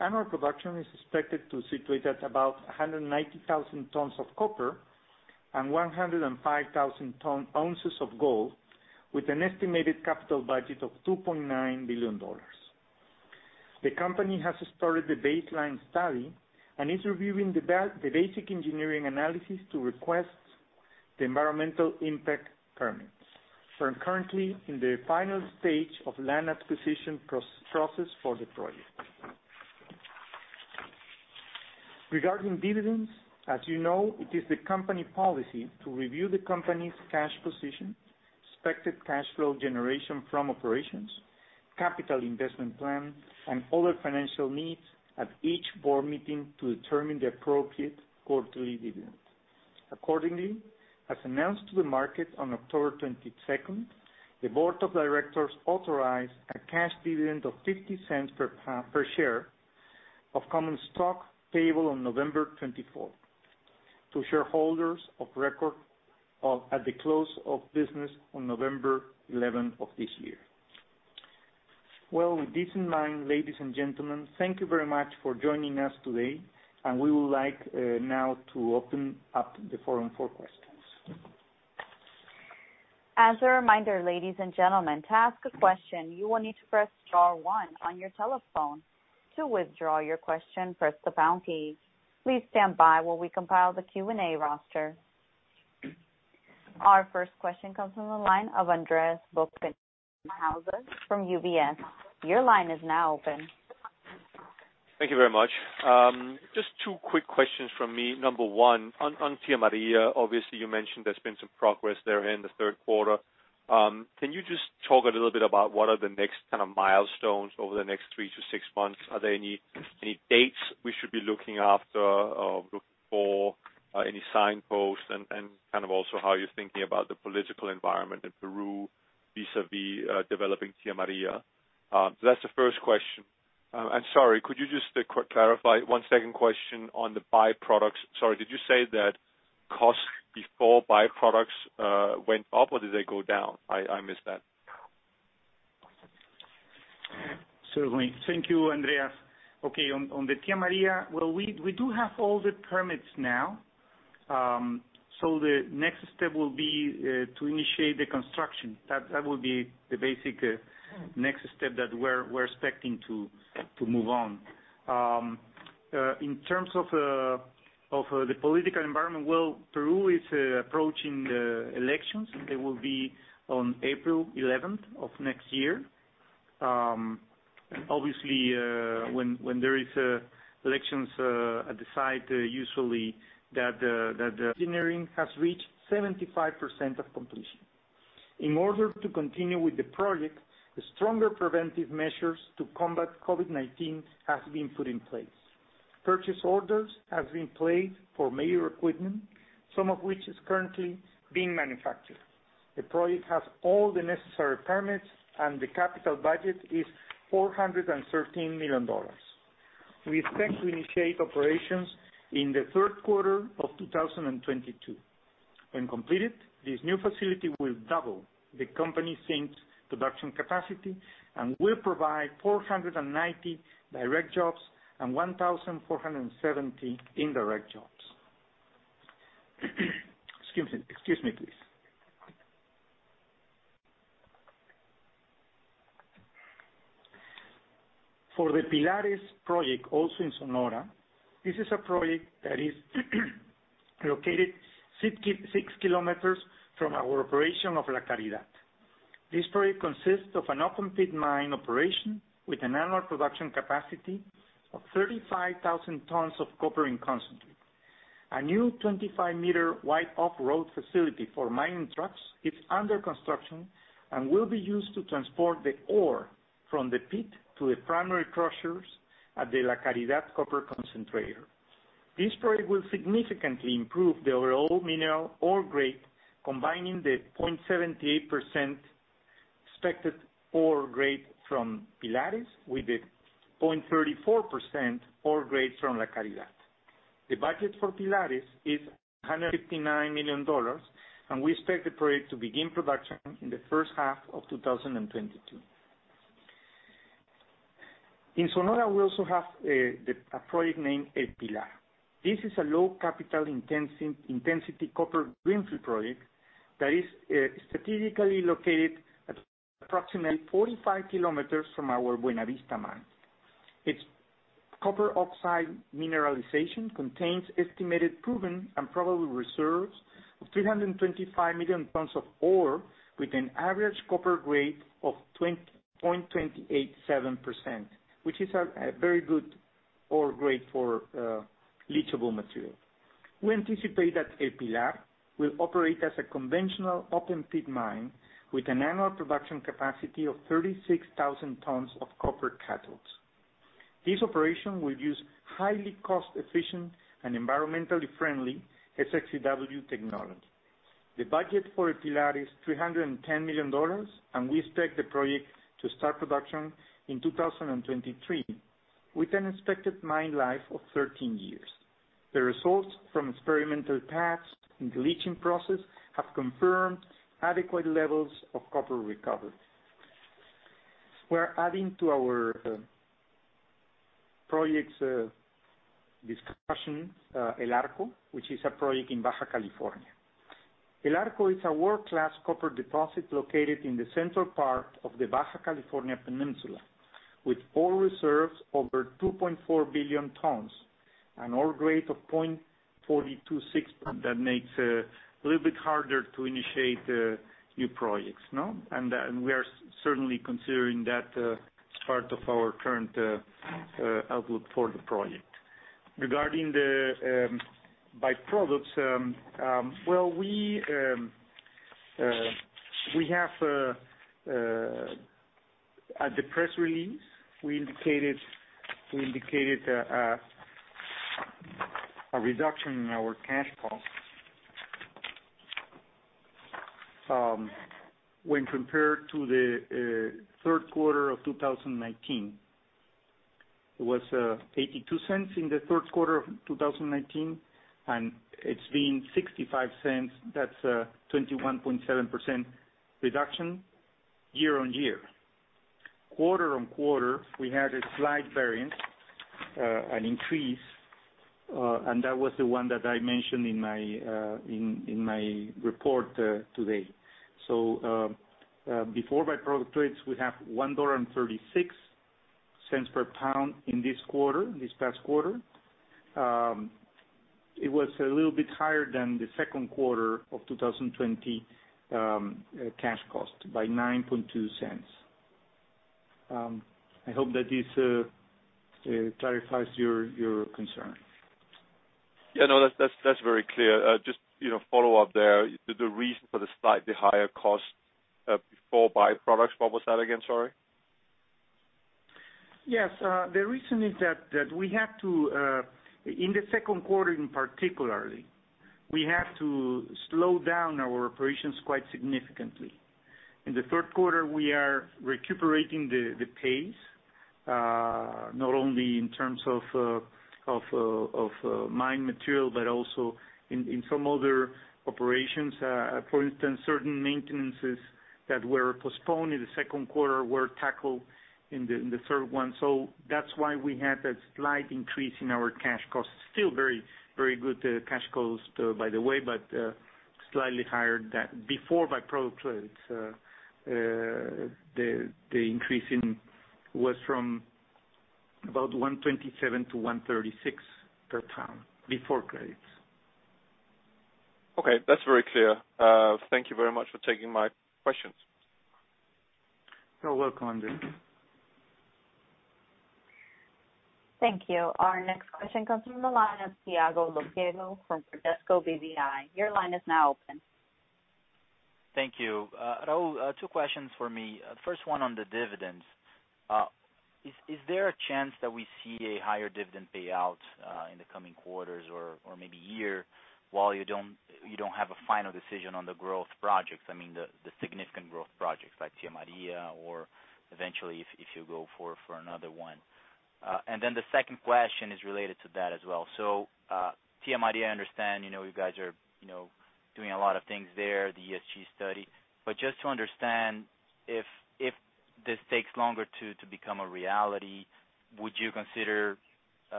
S2: and our production is expected to situate at about 190,000 tons of copper and 105,000 ounces of gold, with an estimated capital budget of $2.9 billion. The company has started the baseline study and is reviewing the basic engineering analysis to request the environmental impact permits. We're currently in the final stage of the land acquisition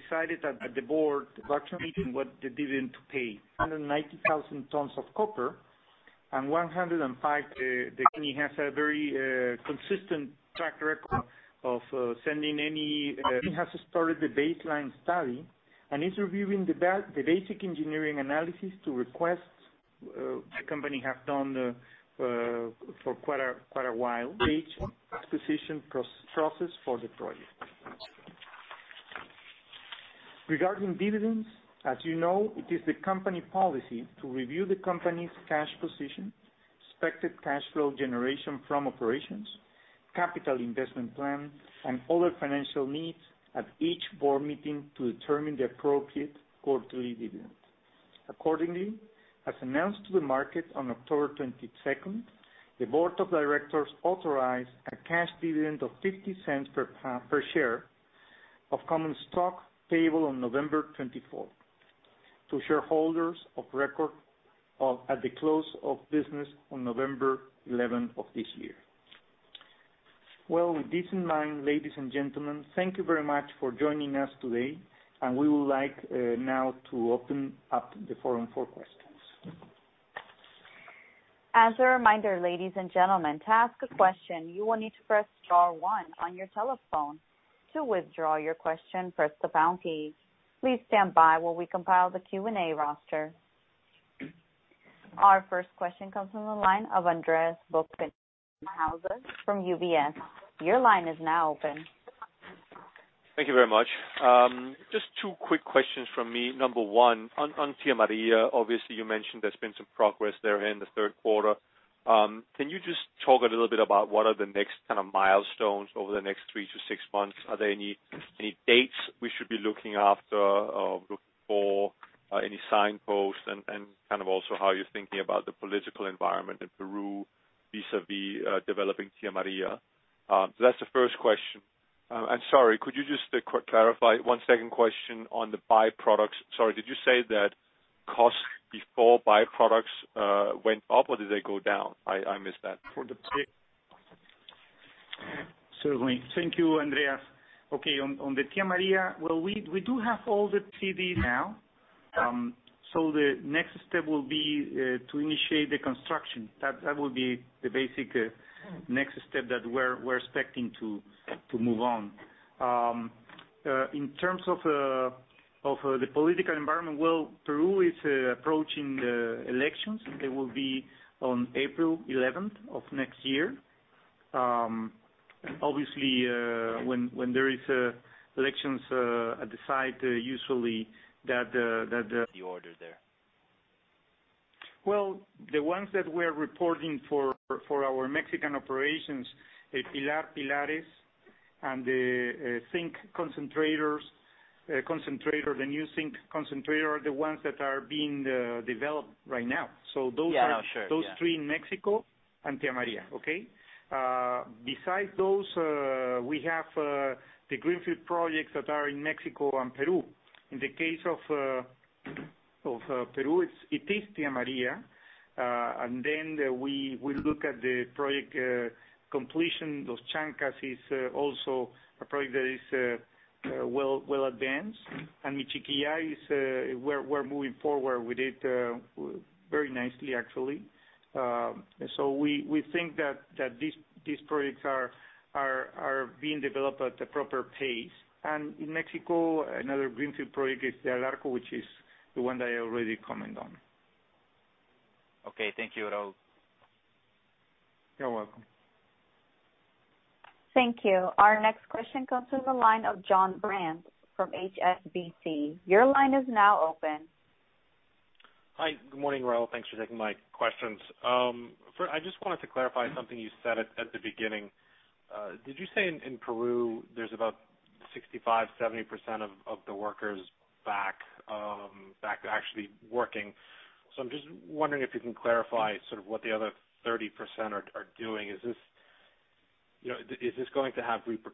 S2: process for the project. Regarding dividends, as you know, it is the company policy to review the company's cash position, expected cash flow generation from operations, capital investment plan, and other financial needs at each board meeting to determine the appropriate quarterly dividend. Accordingly, as announced to the market on October 22nd, the board of directors authorized a cash dividend of $0.50 per share of common stock payable on November 24th to shareholders of record at the close of business on November 11th of this year. With this in mind, ladies and gentlemen, thank you very much for joining us today, and we would like now to open up the forum for questions.
S1: As a reminder, ladies and gentlemen, to ask a question, you will need to press star one on your telephone. To withdraw your question, press the pound key. Please stand by while we compile the Q&A roster. Our first question comes from the line of Andreas Bokkenheuser from UBS. Your line is now open.
S3: Thank you very much. Just two quick questions from me. Number one, on Tía María, obviously, you mentioned there's been some progress there in the Q3. Can you just talk a little bit about what are the next kind of milestones over the next three to six months? Are there any dates we should be looking after, looking for, any signposts, and kind of also how you're thinking about the political environment in Peru vis-à-vis developing Tía María? So that's the first question. And sorry, could you just clarify the second question on the byproducts? Sorry, did you say that costs before byproducts went up or did they go down? I missed that.
S2: Certainly. Thank you, Andreas. Okay, on the Tía María, well, we do have all the permits now, so the next step will be to initiate the construction. That will be the basic next step that we're expecting to move on. In terms of the political environment, well, Peru is approaching the elections. They will be on April 11th of next year. Obviously, when there are elections at the site, usually that. Engineering has reached 75% of completion. In order to continue with the project, stronger preventive measures to combat COVID-19 have been put in place. Purchase orders have been placed for major equipment, some of which is currently being manufactured. The project has all the necessary permits, and the capital budget is $413 million. We expect to initiate operations in the Q3 of 2022. When completed, this new facility will double the company's zinc production capacity and will provide 490 direct jobs and 1,470 indirect jobs. Excuse me, please. For the Pilares project, also in Sonora, this is a project that is located 6 kilometers from our operation of La Caridad. This project consists of an open-pit mine operation with an annual production capacity of 35,000 tons of copper in concentrate. A new 25-meter wide off-road facility for mining trucks is under construction and will be used to transport the ore from the pit to the primary crushers at the La Caridad copper concentrator. This project will significantly improve the overall mineral ore grade, combining the 0.78% expected ore grade from Pilares with the 0.34% ore grade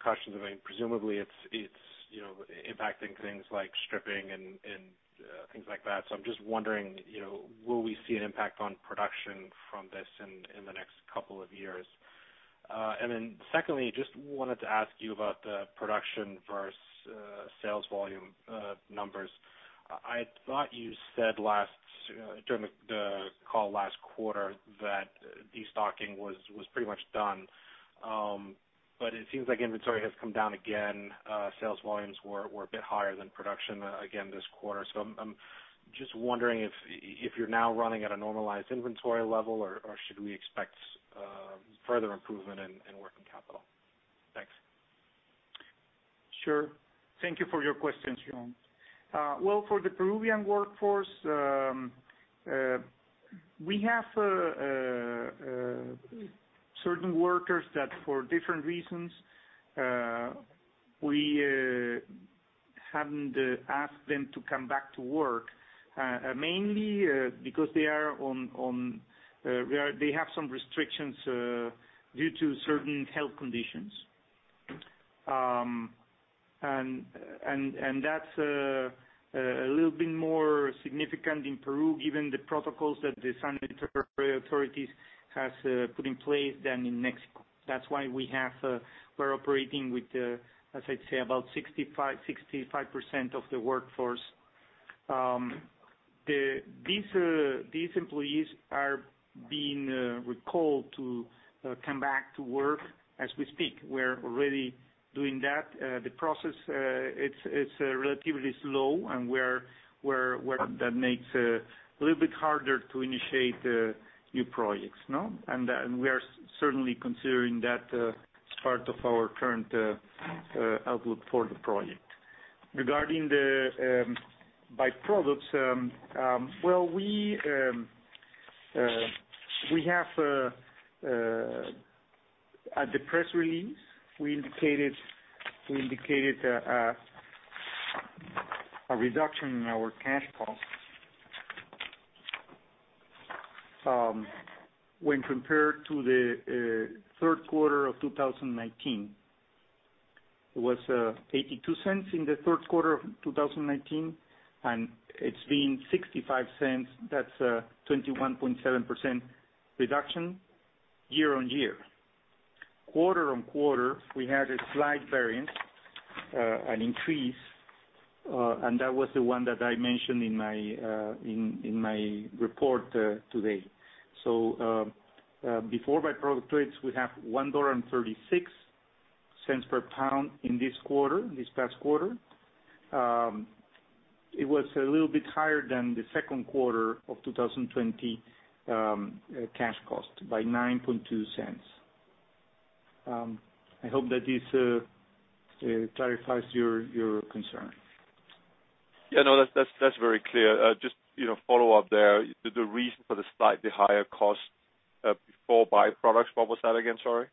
S2: from La Caridad. The budget for Pilares is $159 million, and we expect the project to begin production in the first half of new projects, no? And we are certainly considering that as part of our current outlook for the project. Regarding the byproducts, well, we have at the press release, we indicated a reduction in our cash costs when compared to the Q3 of 2019. It was $0.82 in the Q3 of 2019, and it's been $0.65. That's a 21.7% reduction year on year. Quarter on quarter, we had a slight variance, an increase, and that was the one that I mentioned in my report today. Before byproduct rates, we have $1.36 per pound in this quarter, this past quarter. It was a little bit higher than the Q2 of 2020 cash cost by $0.092. I hope that this clarifies your concern.
S3: Yeah, no, that's very clear. Just follow up there. The reason for the slightly higher cost before byproducts, what was that again, sorry?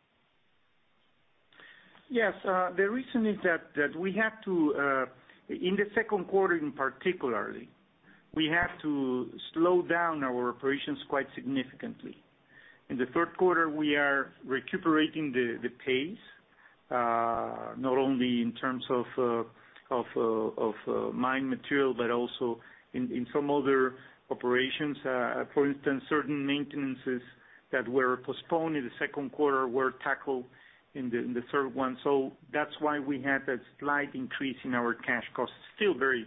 S2: Yes, the reason is that we had to, in the Q2 in particular, we had to slow down our operations quite significantly. In the Q3, we are recuperating the pace, not only in terms of mine material but also in some other operations. For instance, certain maintenances that were postponed in the Q2 were tackled in the third one. So that's why we had a slight increase in our cash costs. Still very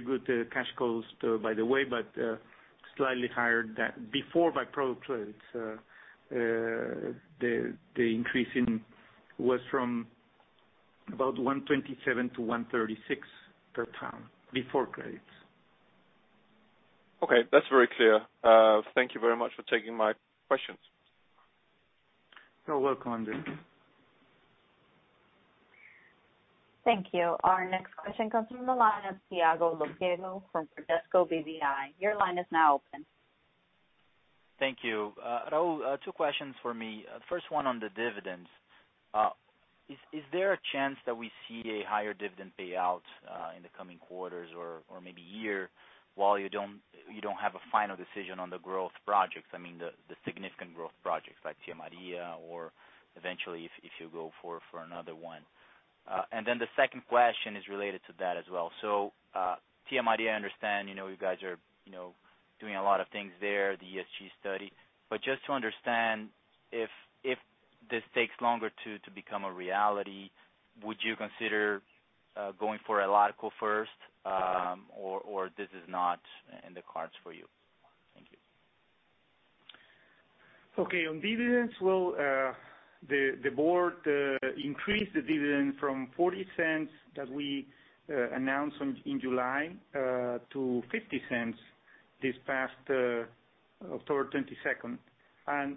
S2: good cash costs, by the way, but slightly higher than before by-product credits. The increase was from about $1.27 to $1.36 per pound before credits.
S3: Okay, that's very clear. Thank you very much for taking my questions.
S2: You're welcome, Andreas.
S1: Thank you. Our next question comes from the line of Thiago Lofiego from Bradesco BBI. Your line is now open.
S4: Thank you. Raúl, two questions for me. First one on the dividends. Is there a chance that we see a higher dividend payout in the coming quarters or maybe year while you don't have a final decision on the growth projects? The significant growth projects like Tía María or eventually if you go for another one. And then the second question is related to that as well. So Tía María, I understand you guys are doing a lot of things there, the ESG study. But just to understand, if this takes longer to become a reality, would you consider going for El Arco first, or this is not in the cards for you? Thank you.
S2: Okay, on dividends. Well, the board increased the dividend from $0.40 to gold, which has 0.11 grams of gold per ton of October 22nd, and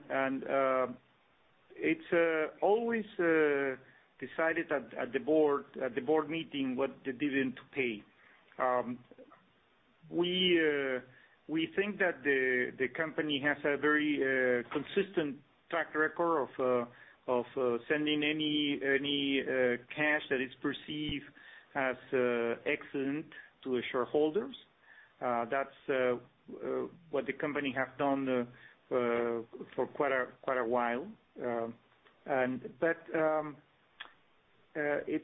S2: it's always decided at the board production meeting what the dividend to pay. 190,000 tons of copper and 105. The company has a very consistent track record of sending any. Has started the baseline study and is reviewing the basic engineering analysis to request the company has done for quite a while. Stage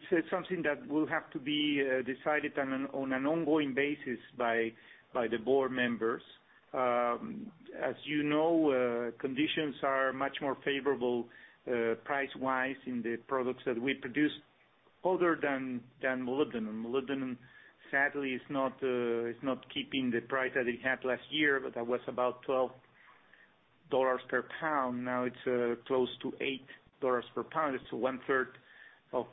S2: acquisition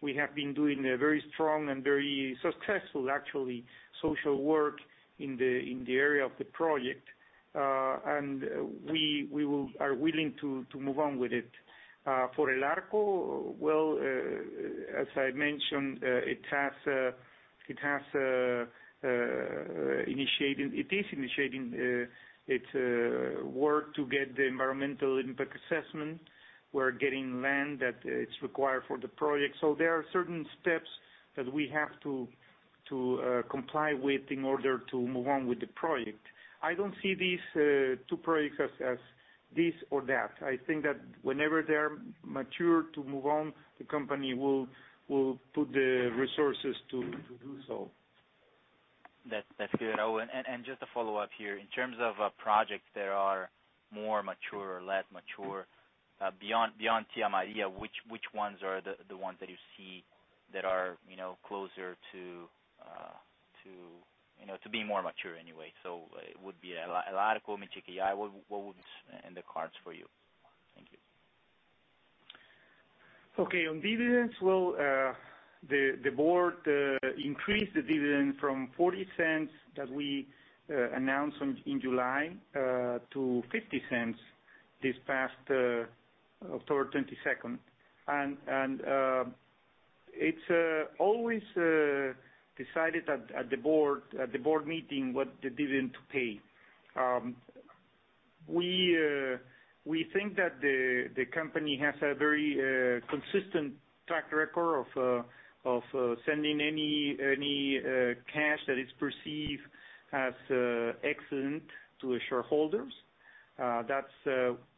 S2: process for the project. Regarding dividends,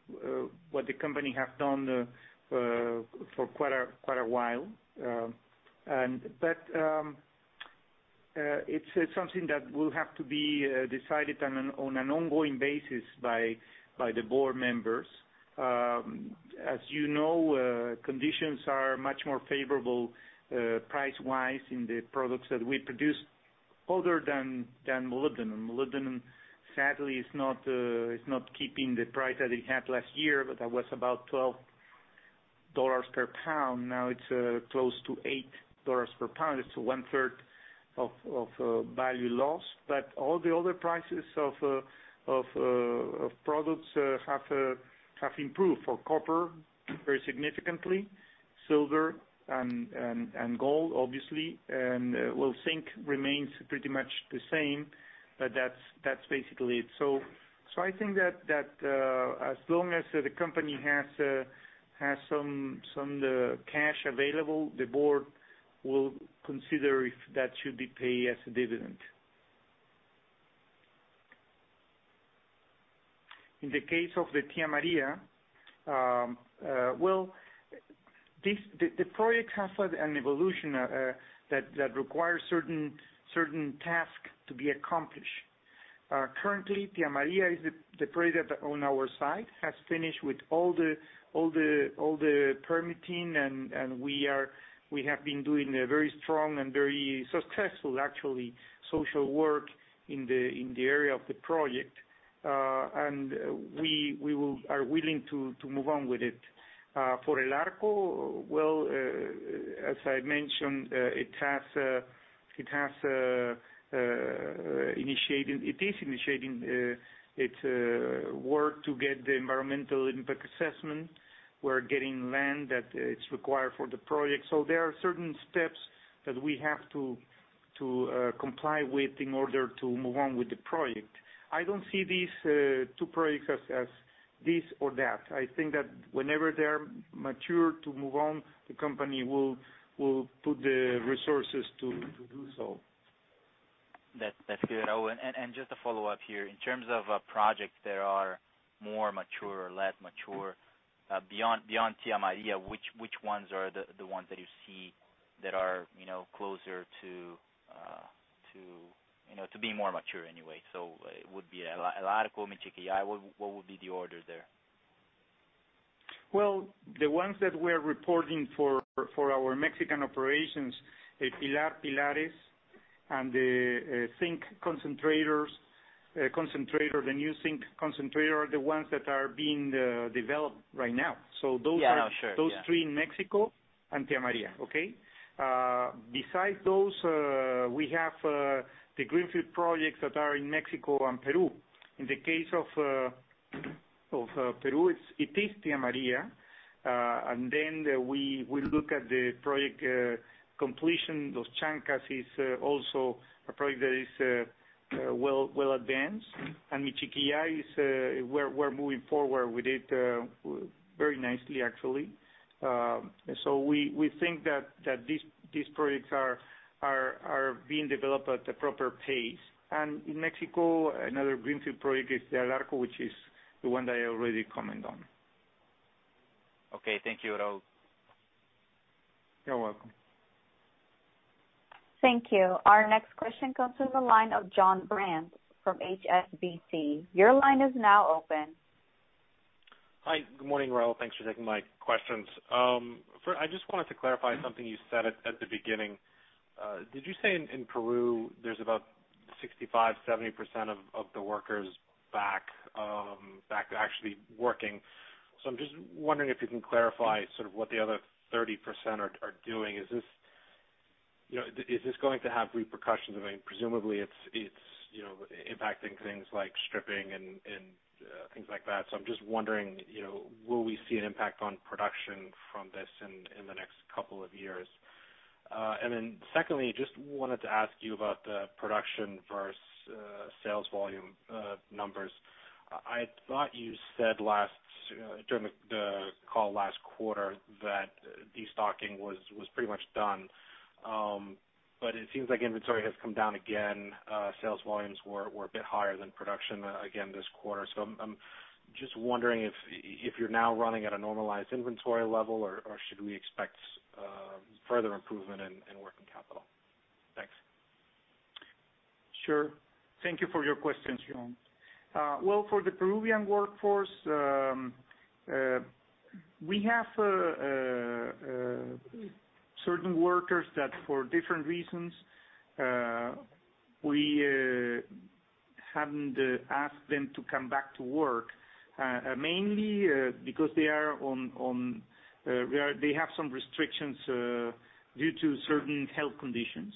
S2: as you know, it In terms of the political environment, well, Peru is approaching the elections. They will be on April 11th of next year. Obviously, when there are elections at the site, usually that.
S3: The order there?
S2: The ones that we're reporting for our Mexican operations, El Pilar, Pilares, and the zinc concentrators, the new zinc concentrator are the ones that are being developed right now. So those are those three in Mexico and Tía María, okay? Besides those, we have the greenfield projects that are in Mexico and Peru. In the case of Peru, it is Tía María. And then we look at the project completion. Los Chancas is also a project that is well advanced. Michiquillay, we're moving forward with it very nicely, actually. So we think that these projects are being developed at the proper pace. In Mexico, another greenfield project is El Arco, which is the one that I already commented on.
S3: Okay, thank you, Raúl.
S2: You're welcome.
S1: Thank you. Our next question comes from the line of John Brandt from HSBC. Your line is now open.
S5: Hi, good morning, Raúl. Thanks for taking my questions. I just wanted to clarify something you said at the beginning. Did you say in Peru there's about 65%-70% of the workers back actually working? So I'm just wondering if you can clarify sort of what the other 30% are doing. Is this going to have repercussions? Presumably, it's impacting things like stripping and things like that. So I'm just wondering, will we see an impact on production from this in the next couple of years? And then secondly, I just wanted to ask you about the production versus sales volume numbers. I thought you said during the call last quarter that destocking was pretty much done. But it seems like inventory has come down again. Sales volumes were a bit higher than production again this quarter. I'm just wondering if you're now running at a normalized inventory level, or should we expect further improvement in working capital? Thanks.
S2: Sure. Thank you for your questions, John. Well, for the Peruvian workforce, we have certain workers that for different reasons, we haven't asked them to come back to work, mainly because they have some restrictions due to certain health conditions.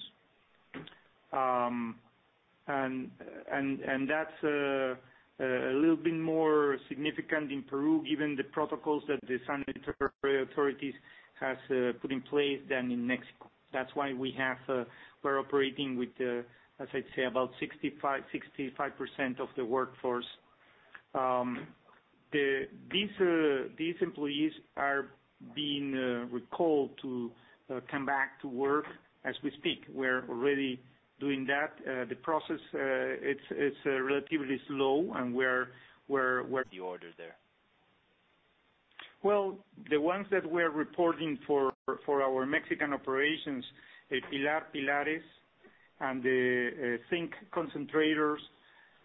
S2: And that's a little bit more significant in Peru given the protocols that the sanitary authorities have put in place than in Mexico. That's why we're operating with, as I'd say, about 65% of the workforce.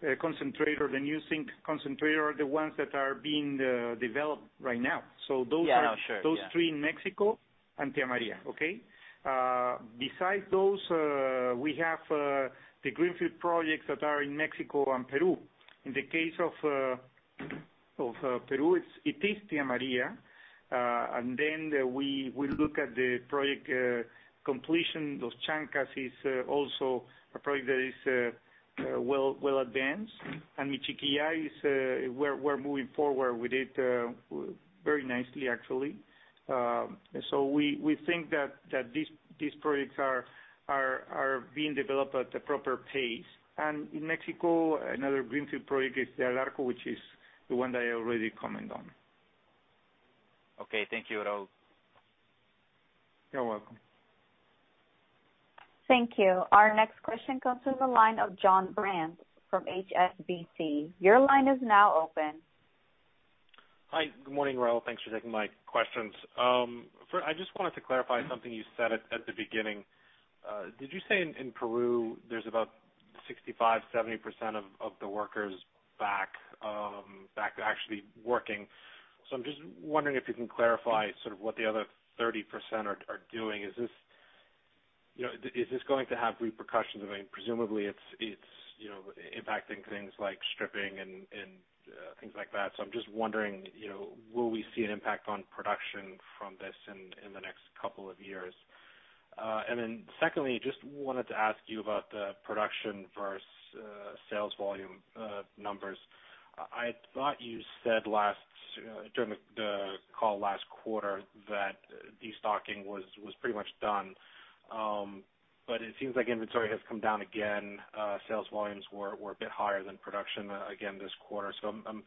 S2: the new zinc concentrator, are the ones that are being developed right now. Those are those three in Mexico and Tía María, okay? Besides those, we have the Greenfield projects that are in Mexico and Peru. In the case of Peru, it is Tía María. Then we look at the project completion. Los Chancas is also a project that is well advanced. Michiquillay, we're moving forward with it very nicely, actually. We think that these projects are being developed at the proper pace. In Mexico, another Greenfield project is El Arco, which is the one that I already commented on.
S4: Okay, thank you, Raúl.
S2: You're welcome.
S1: Thank you. Our next question comes from the line of John Brandt from HSBC. Your line is now open.
S5: Hi, good morning, Raúl. Thanks for taking my questions. I just wanted to clarify something you said at the beginning. Did you say in Peru, there's about 65%-70% of the workers back actually working? So I'm just wondering if you can clarify sort of what the other 30% are doing. Is this going to have repercussions? Presumably, it's impacting things like stripping and things like that. So I'm just wondering, will we see an impact on production from this in the next couple of years? And then secondly, just wanted to ask you about the production versus sales volume numbers. I thought you said during the call last quarter that destocking was pretty much done. But it seems like inventory has come down again. Sales volumes were a bit higher than production again this quarter. So I'm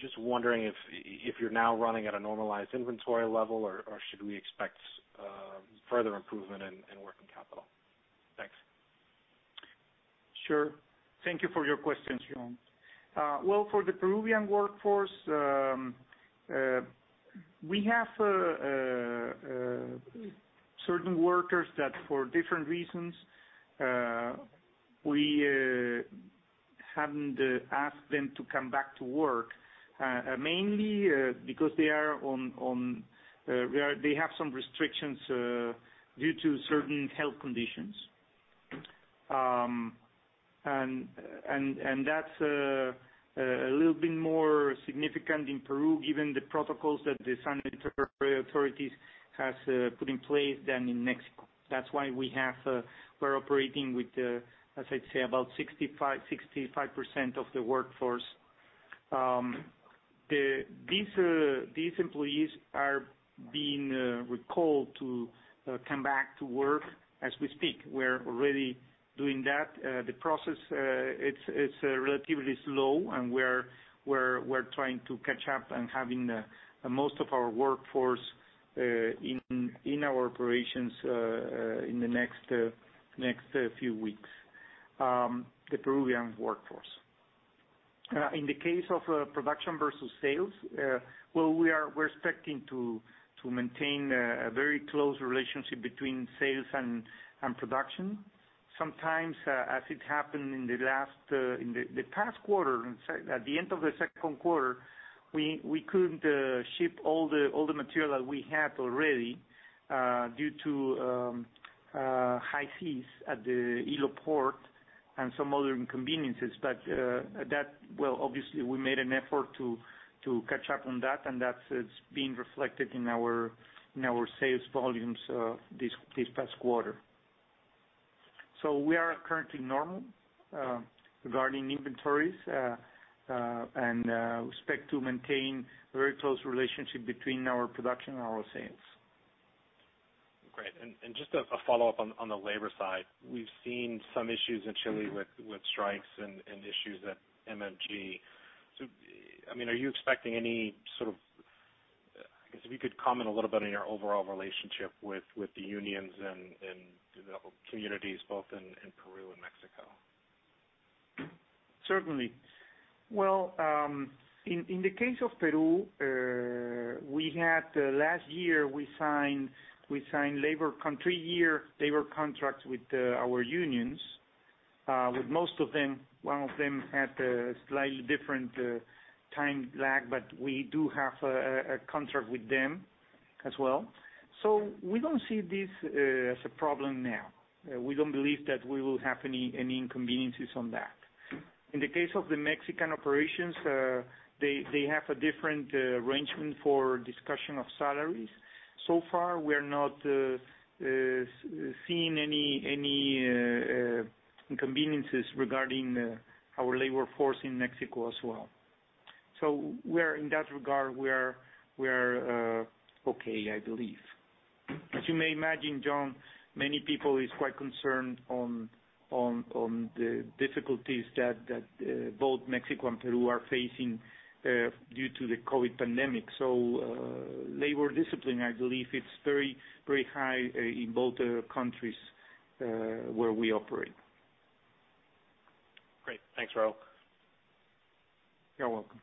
S5: just wondering if you're now running at a normalized inventory level, or should we expect further improvement in working capital? Thanks.
S2: Sure. Thank you for your questions, John. Well, for the Peruvian workforce, we have certain workers that, for different reasons, we haven't asked them to come back to work, mainly because they have some restrictions due to certain health conditions. And that's a little bit more significant in Peru, given the protocols that the sanitary authorities in our operations in the next few weeks, the Peruvian workforce. In the case of production versus sales, we're expecting to maintain a very close relationship between sales and production. Sometimes, as it happened in the past quarter, at the end of the Q2, we couldn't ship all the material that we had already due to high seas at the Ilo Port and some other inconveniences. But that, well, obviously, we made an effort to catch up on that, and that's been reflected in our sales volumes this past quarter. So we are currently normal regarding inventories and expect to maintain a very close relationship between our production and our sales.
S5: Great. And just a follow-up on the labor side. We've seen some issues in Chile with strikes and issues at MMG. Are you expecting any sort of, I guess, if you could comment a little bit on your overall relationship with the unions and communities, both in Peru and Mexico?
S2: Certainly. Well, in the case of Peru, last year, we signed three-year labor contracts with our unions, with most of them. One of them had a slightly different time lag, but we do have a contract with them as well. So we don't see this as a problem now. We don't believe that we will have any inconveniences on that. In the case of the Mexican operations, they have a different arrangement for discussion of salaries. So far, we are not seeing any inconveniences regarding our labor force in Mexico as well. So in that regard, we are okay, I believe. As you may imagine, John, many people are quite concerned on the difficulties that both Mexico and Peru are facing due to the COVID pandemic. So labor discipline, I believe, it's very high in both countries where we operate.
S5: Great. Thanks, Raúl.
S2: You're welcome.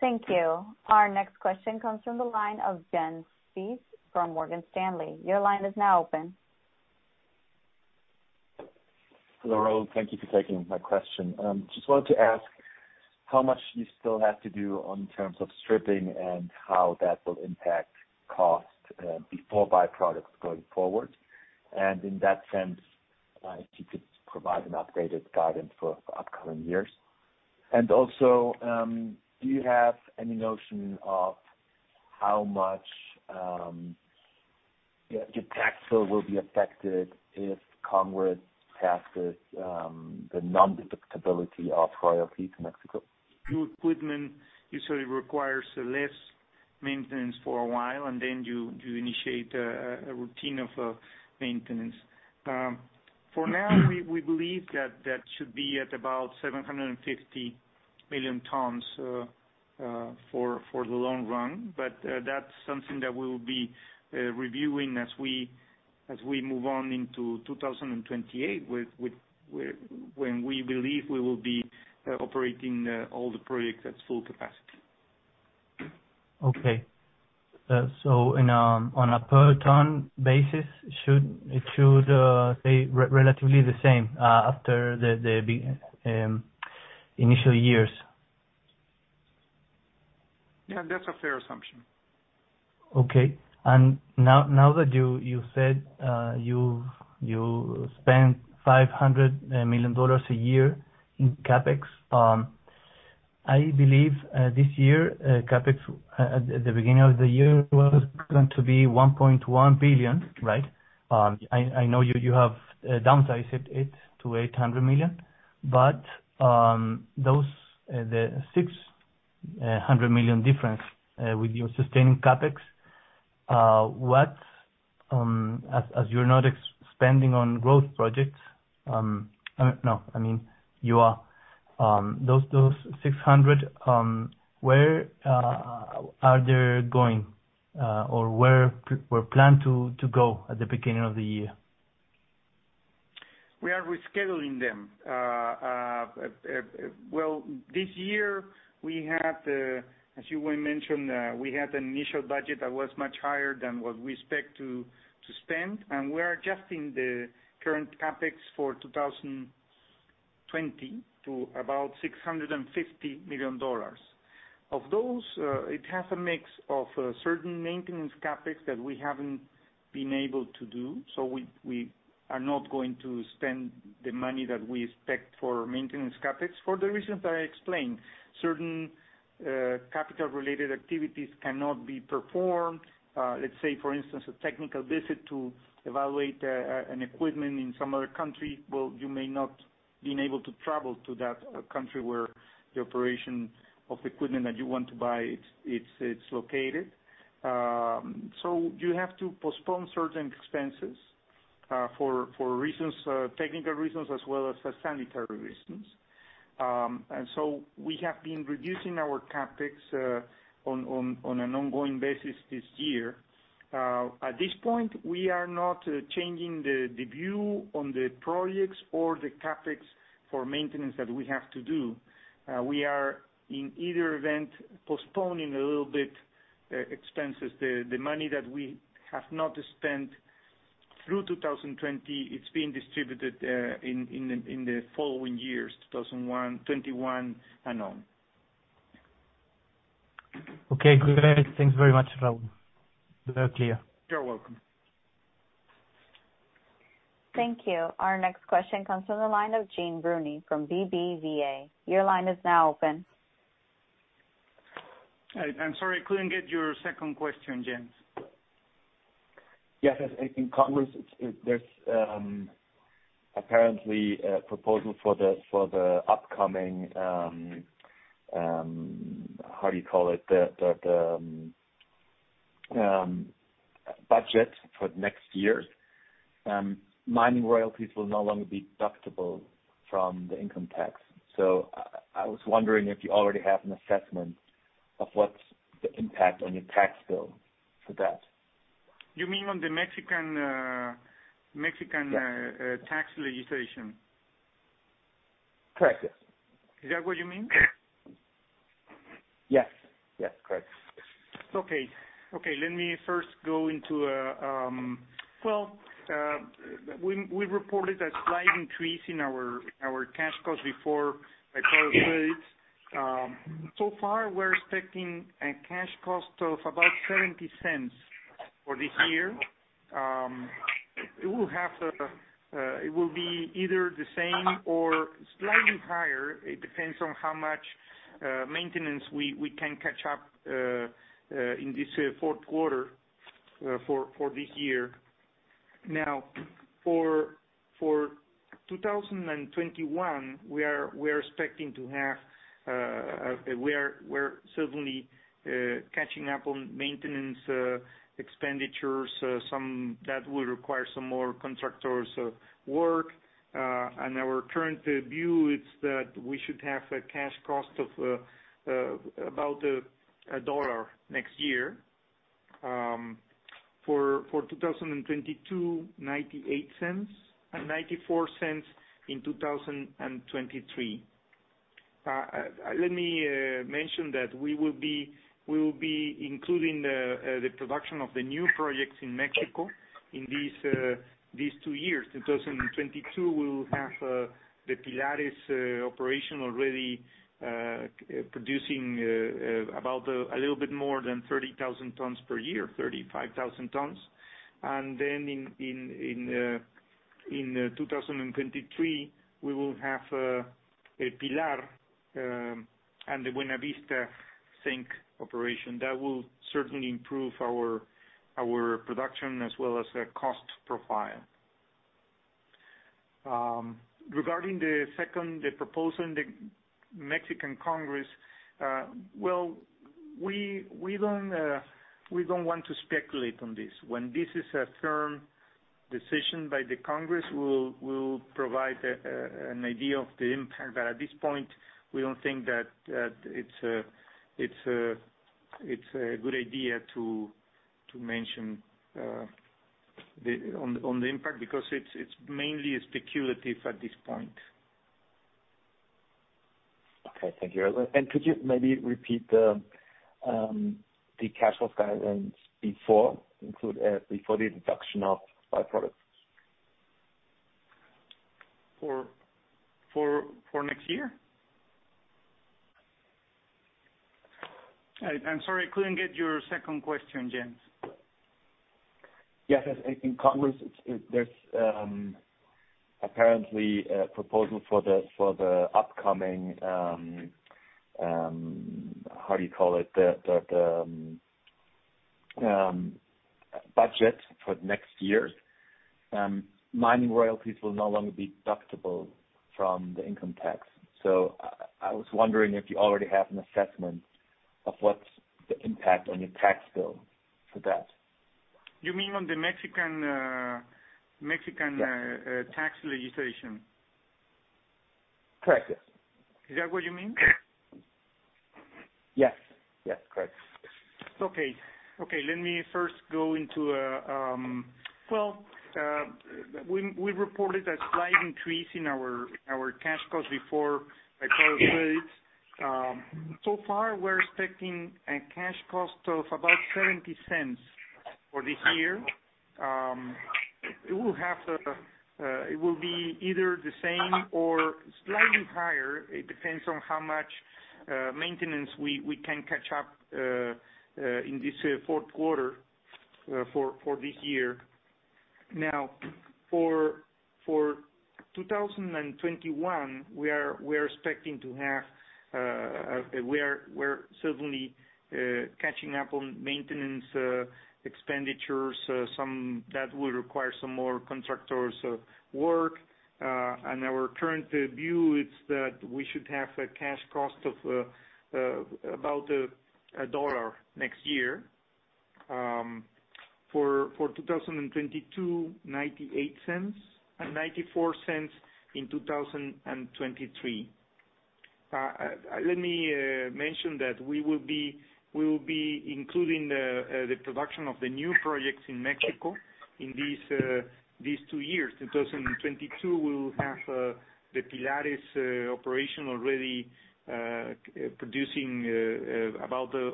S1: Thank you. Our next question comes from the line of Jens Spiess from Morgan Stanley. Your line is now open.
S6: Hello, Raúl. Thank you for taking my question. Just wanted to ask how much you still have to do in terms of stripping and how that will impact cost before byproducts going forward. And in that sense, if you could provide an updated guidance for upcoming years. And also, do you have any notion of how much your tax bill will be affected if Congress
S7: And now that you said you spend $500 million a year in CapEx, I believe this year, CapEx at the beginning of the year was going to be $1.1 billion, right? I know you have downsized it to $800 million. But the $600 million difference with your sustaining CapEx, as you're not spending on growth projects, no, I mean, you are, those $600 million, where are they going or were planned to go at the beginning of the year?
S2: We are rescheduling them. Well, this year, as you mentioned, we had an initial budget that was much higher than what we expect to spend, and we are adjusting the current CapEx for 2020 to about $650 million. Of those, it has a mix of certain maintenance CapEx that we haven't been able to do, so we are not going to spend the money that we expect for maintenance CapEx for the reasons that I explained. Certain capital-related activities cannot be performed. Let's say, for instance, a technical visit to evaluate an equipment in some other country. Well, you may not be able to travel to that country where the operation of the equipment that you want to buy is located, so you have to postpone certain expenses for technical reasons as well as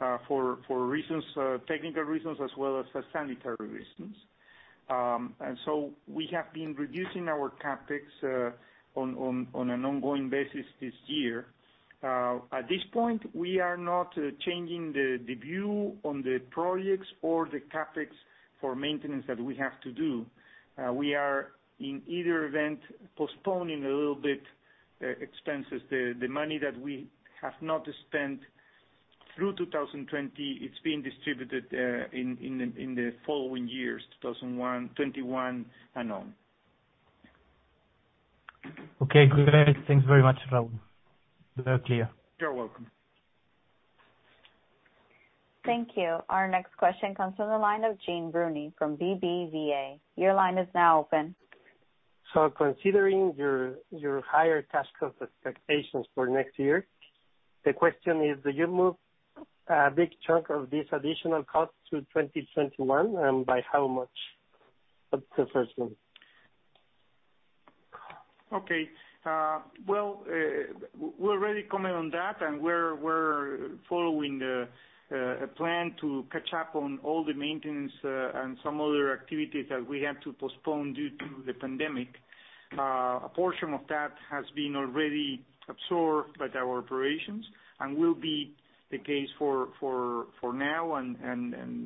S2: sanitary reasons, and so we have been reducing our CapEx on an ongoing basis this year. At this point, we are not changing the view on the projects or the CapEx for maintenance that we have to do. We are, in either event, postponing a little bit expenses. The money that we have not spent the case for now and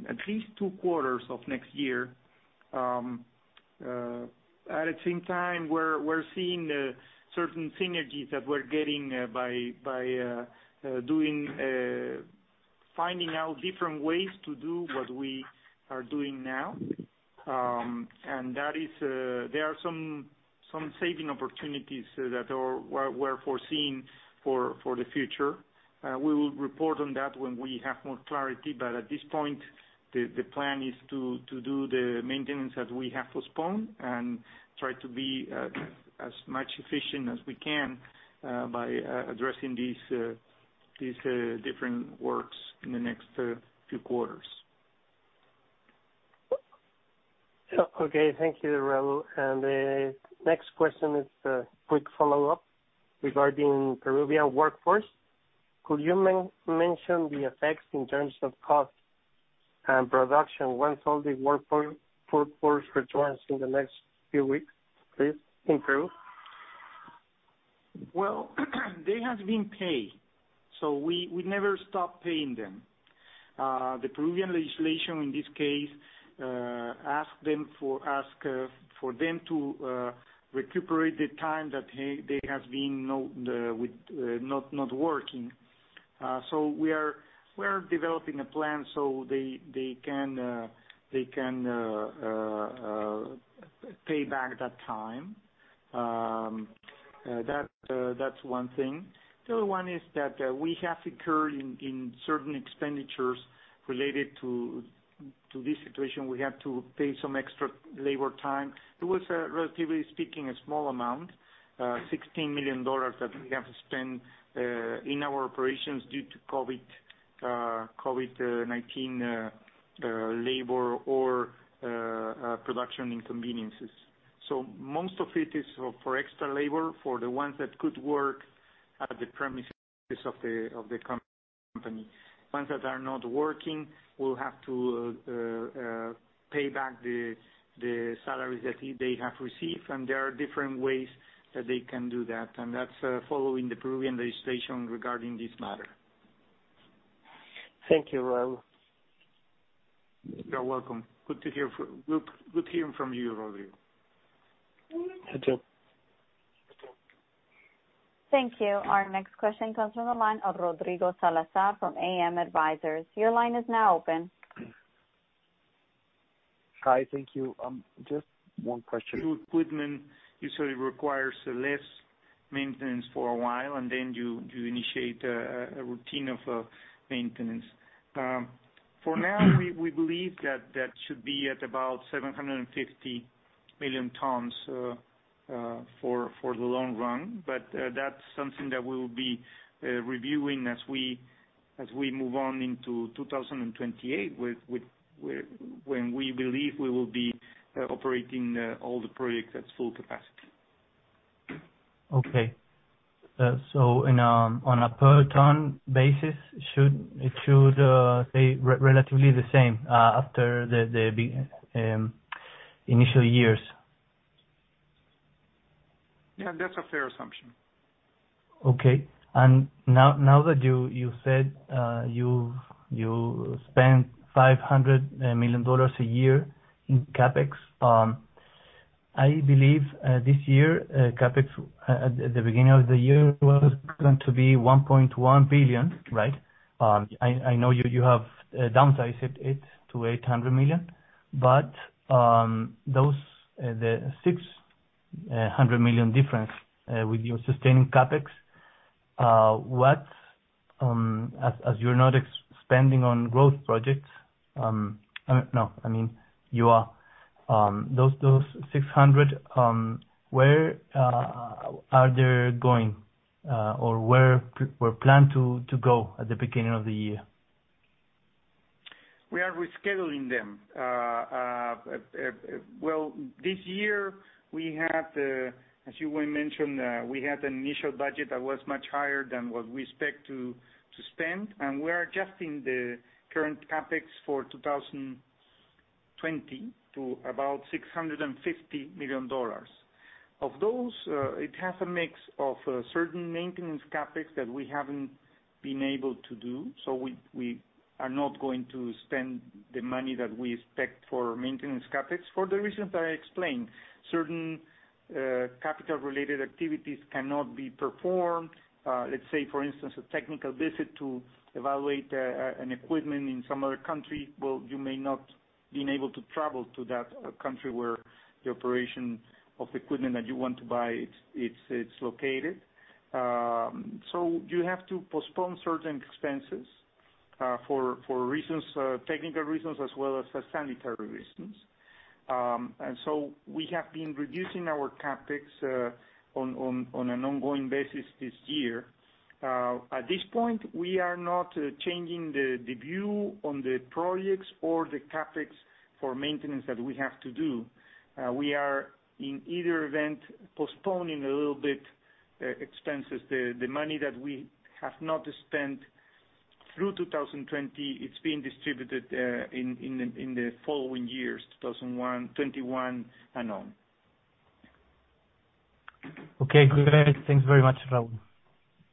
S2: at least two quarters of next year. At the same time, we're seeing certain synergies that we're getting by finding out different ways to do what we are doing now, and there are some saving opportunities that we're foreseeing for the future. We will report on that when we have more clarity, but at this point, the plan is to do the maintenance that we have postponed and try to be as much efficient as we can by addressing these different works in the next few quarters.
S4: Okay. Thank you, Raúl. And the next question is a quick follow-up regarding Peruvian workforce. Could you mention the effects in terms of cost and production once all the workforce returns in the next few weeks, please, in Peru?
S2: They have been paid. We never stopped paying them. The Peruvian legislation, in this case, asked them to recuperate the time that they have been not working. We are developing a plan so they can pay back that time. That's one thing. The other one is that we have incurred in certain expenditures related to this situation. We have to pay some extra labor time. It was, relatively speaking, a small amount, $16 million that we have to spend in our operations due to COVID-19 labor or production inconveniences. Most of it is for extra labor for the ones that could work at the premises of the company. Ones that are not working will have to pay back the salaries that they have received. There are different ways that they can do that. That's following the Peruvian legislation regarding this matter.
S8: Thank you, Raúl.
S2: You're welcome. Good to hear from you, Rodrigo.
S8: You too.
S1: Thank you. Our next question comes from the line of Rodrigo Salazar from AM Advisors. Your line is now open.
S4: Hi. Thank you. Just one question for my side.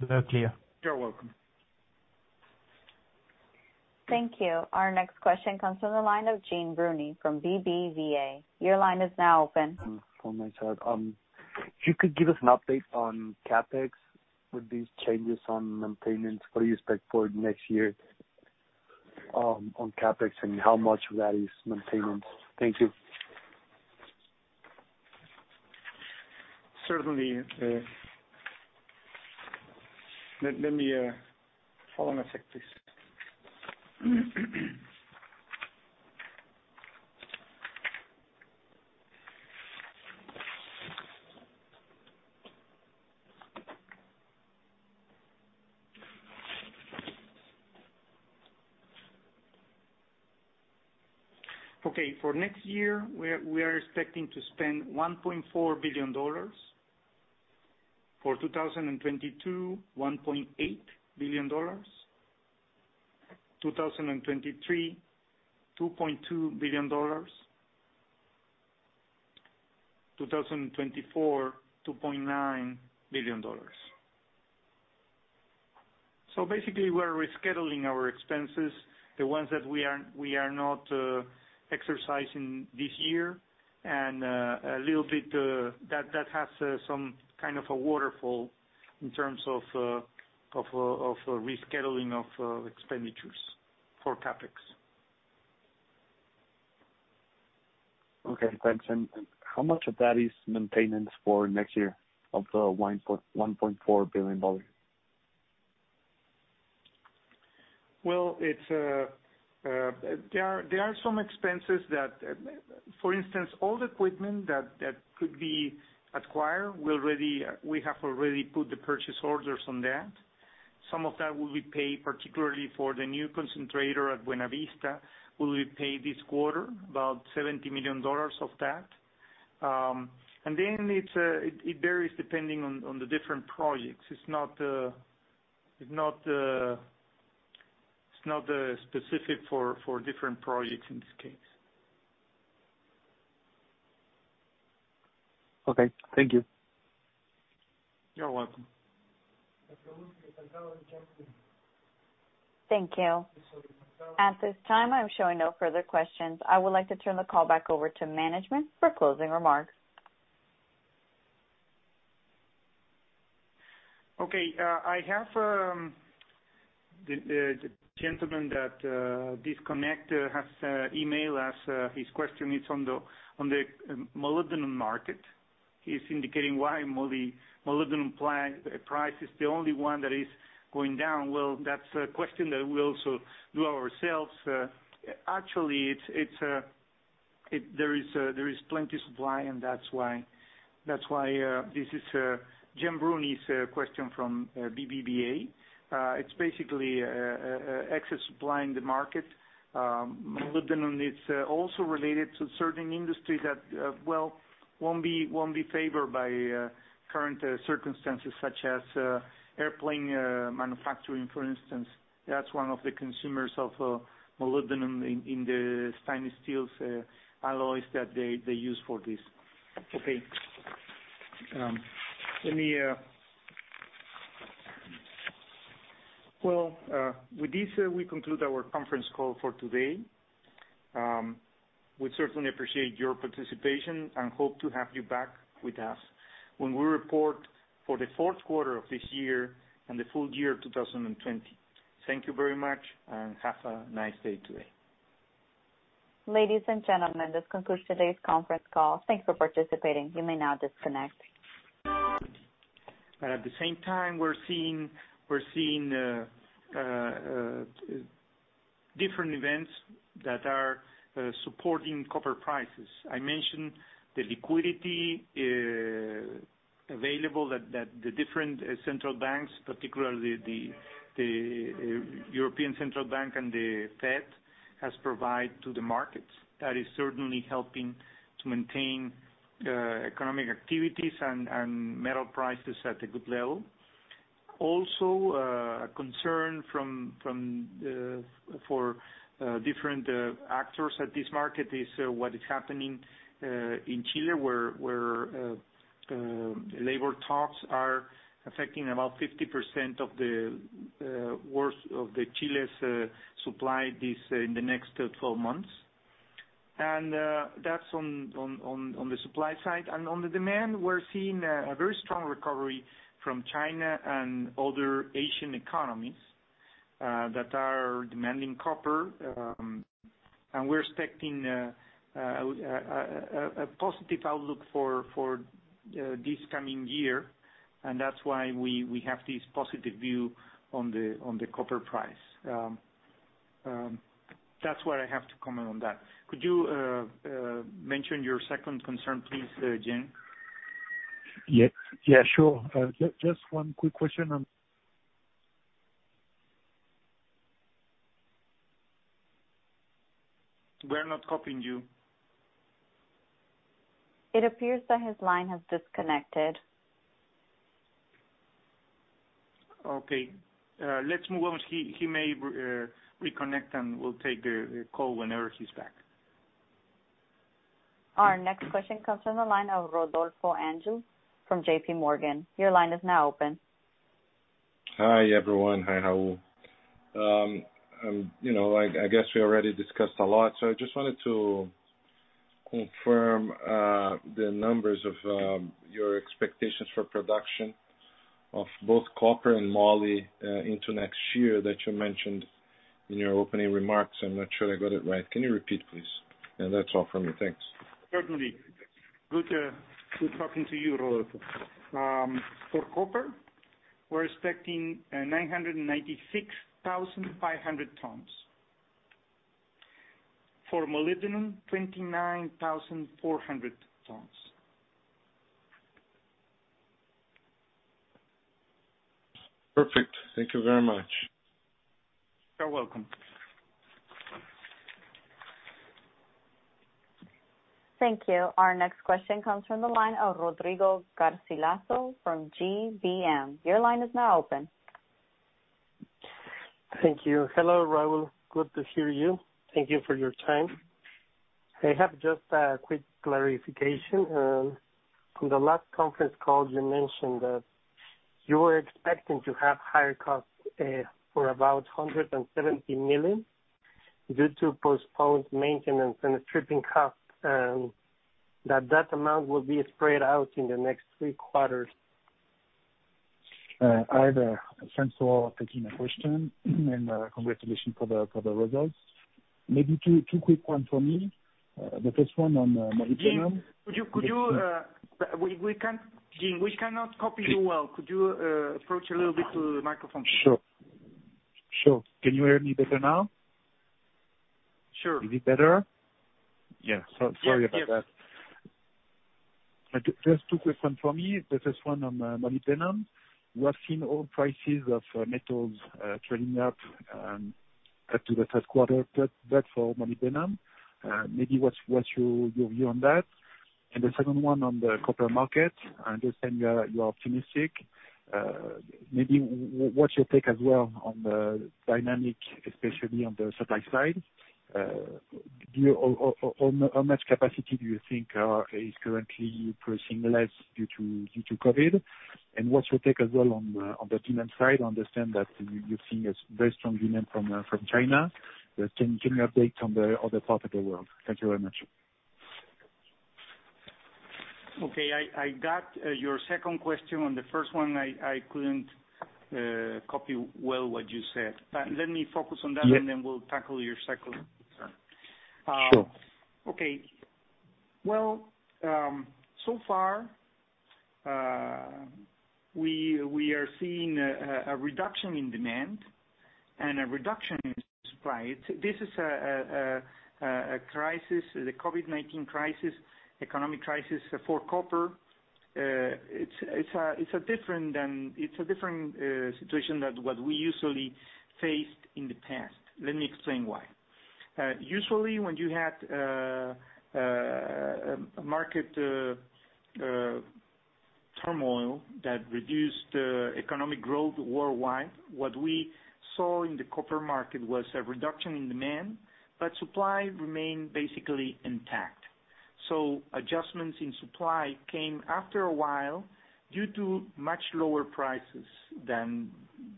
S4: If you could give us an update on CapEx with these changes on maintenance, what do you expect for next year on CapEx, and how much of that is maintenance? Thank you.
S2: Certainly. Let me hold on a sec, please. Okay. For next year, we are expecting to spend $1.4 billion. For 2022, $1.8 billion. 2023, $2.2 billion. 2024, $2.9 billion. So basically, we're rescheduling our expenses, the ones that we are not exercising this year, and a little bit, that has some kind of a waterfall in terms of rescheduling of expenditures for CapEx.
S4: Okay. Thanks. And how much of that is maintenance for next year of the $1.4 billion?
S2: There are some expenses that, for instance, all the equipment that could be acquired, we have already put the purchase orders on that. Some of that will be paid, particularly for the new concentrator at Buenavista, will be paid this quarter, about $70 million of that, and then it varies depending on the different projects. It's not specific for different projects in this case.
S4: Okay. Thank you.
S2: You're welcome.
S1: Thank you. At this time, I'm showing no further questions. I would like to turn the call back over to management for closing remarks.
S2: Okay. I have the gentleman that disconnected has emailed us his question. It's on the molybdenum market. He's indicating why molybdenum price is the only one that is going down, well, that's a question that we also do ourselves. Actually, there is plenty of supply, and that's why this is Jean Bruny's question from BBVA. It's basically excess supply in the market. Molybdenum is also related to certain industries that, well, won't be favored by current circumstances, such as airplane manufacturing, for instance. That's one of the consumers of molybdenum in the stainless steel alloys that they use for this. Okay, well, with this, we conclude our conference call for today. We certainly appreciate your participation and hope to have you back with us when we report for the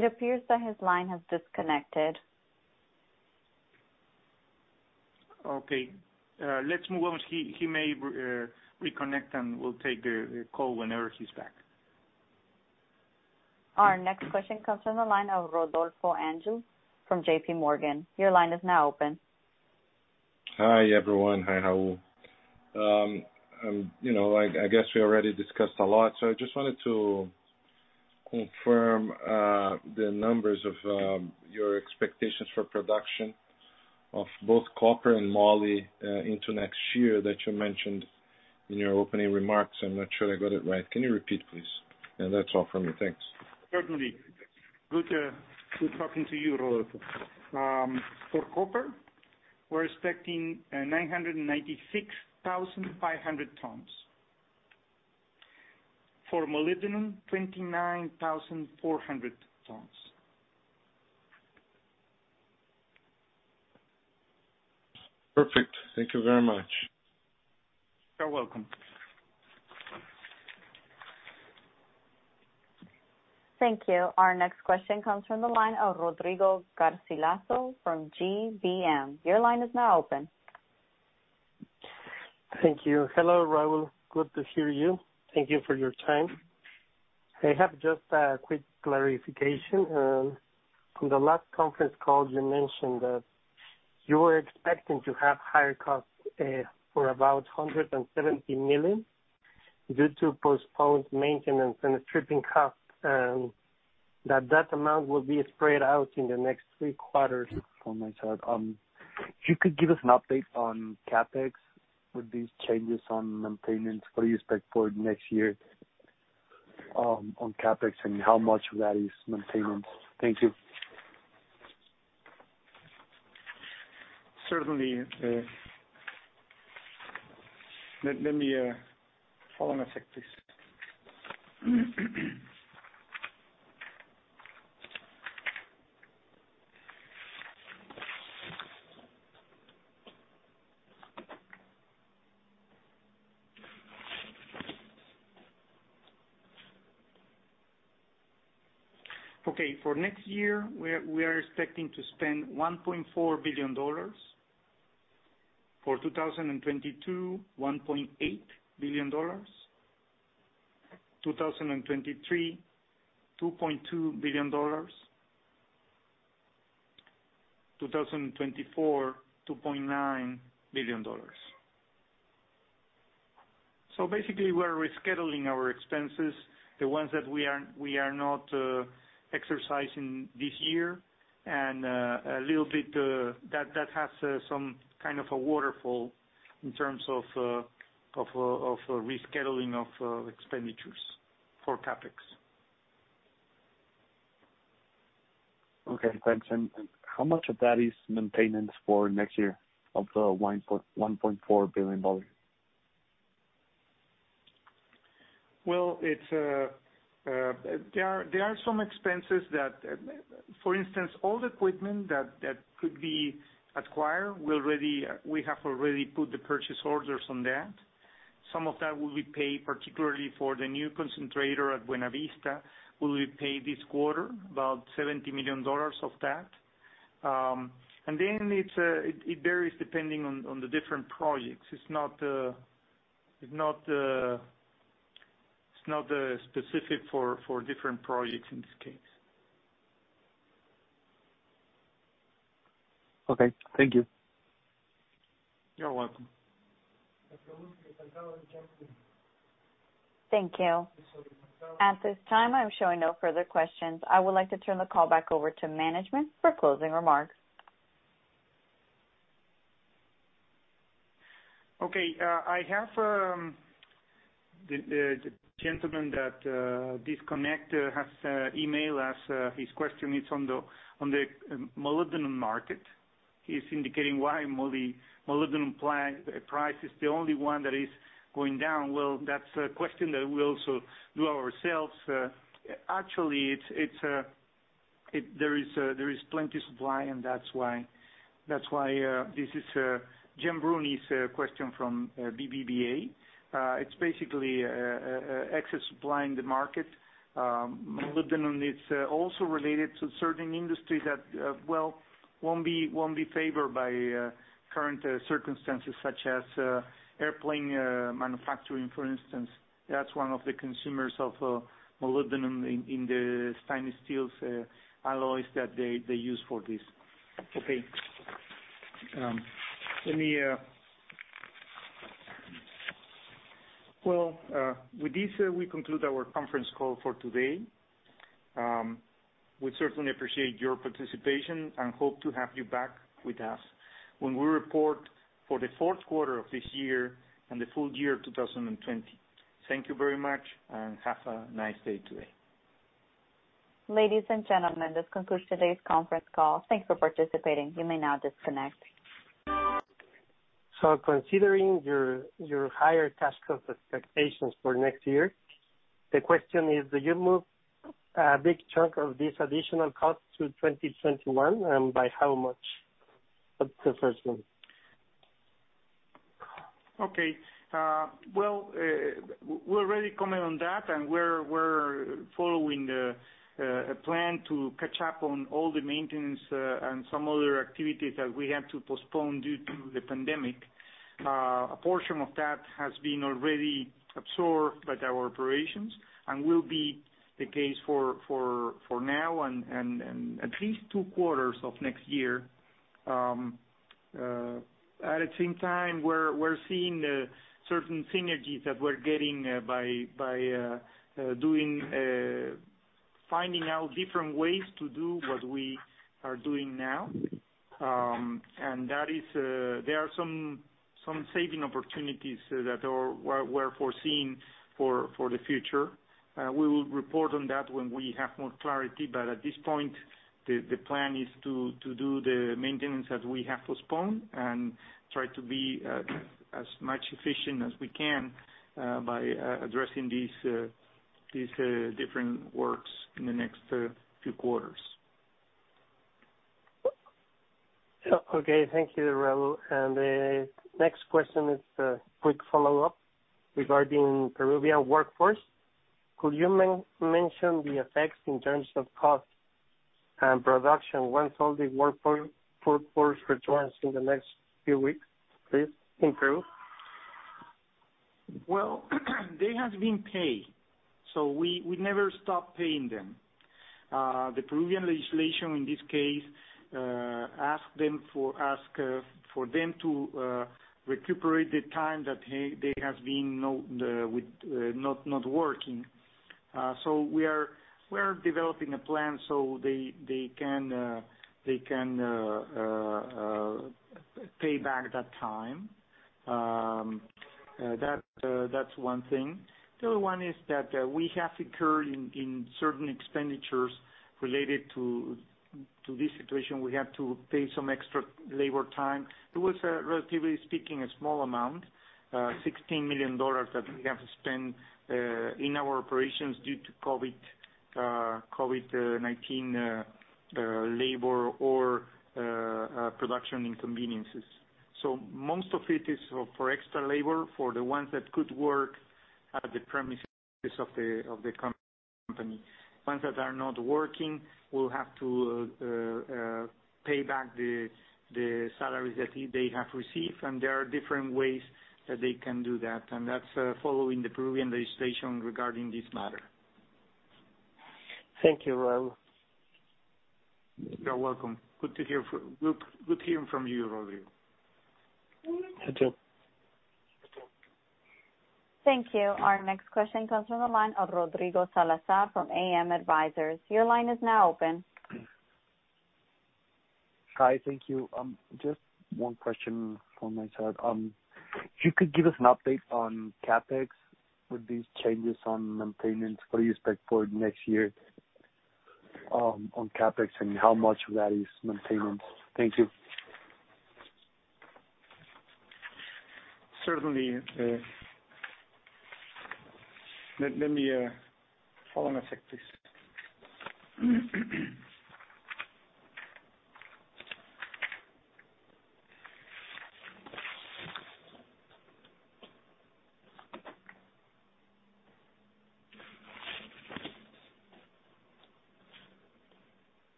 S2: Q4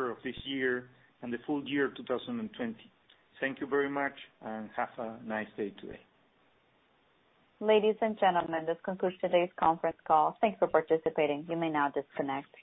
S2: of this year and the full year 2020. Thank you very much, and have a nice day today.
S1: Ladies and gentlemen, this concludes today's conference call. Thanks for participating. You may now disconnect.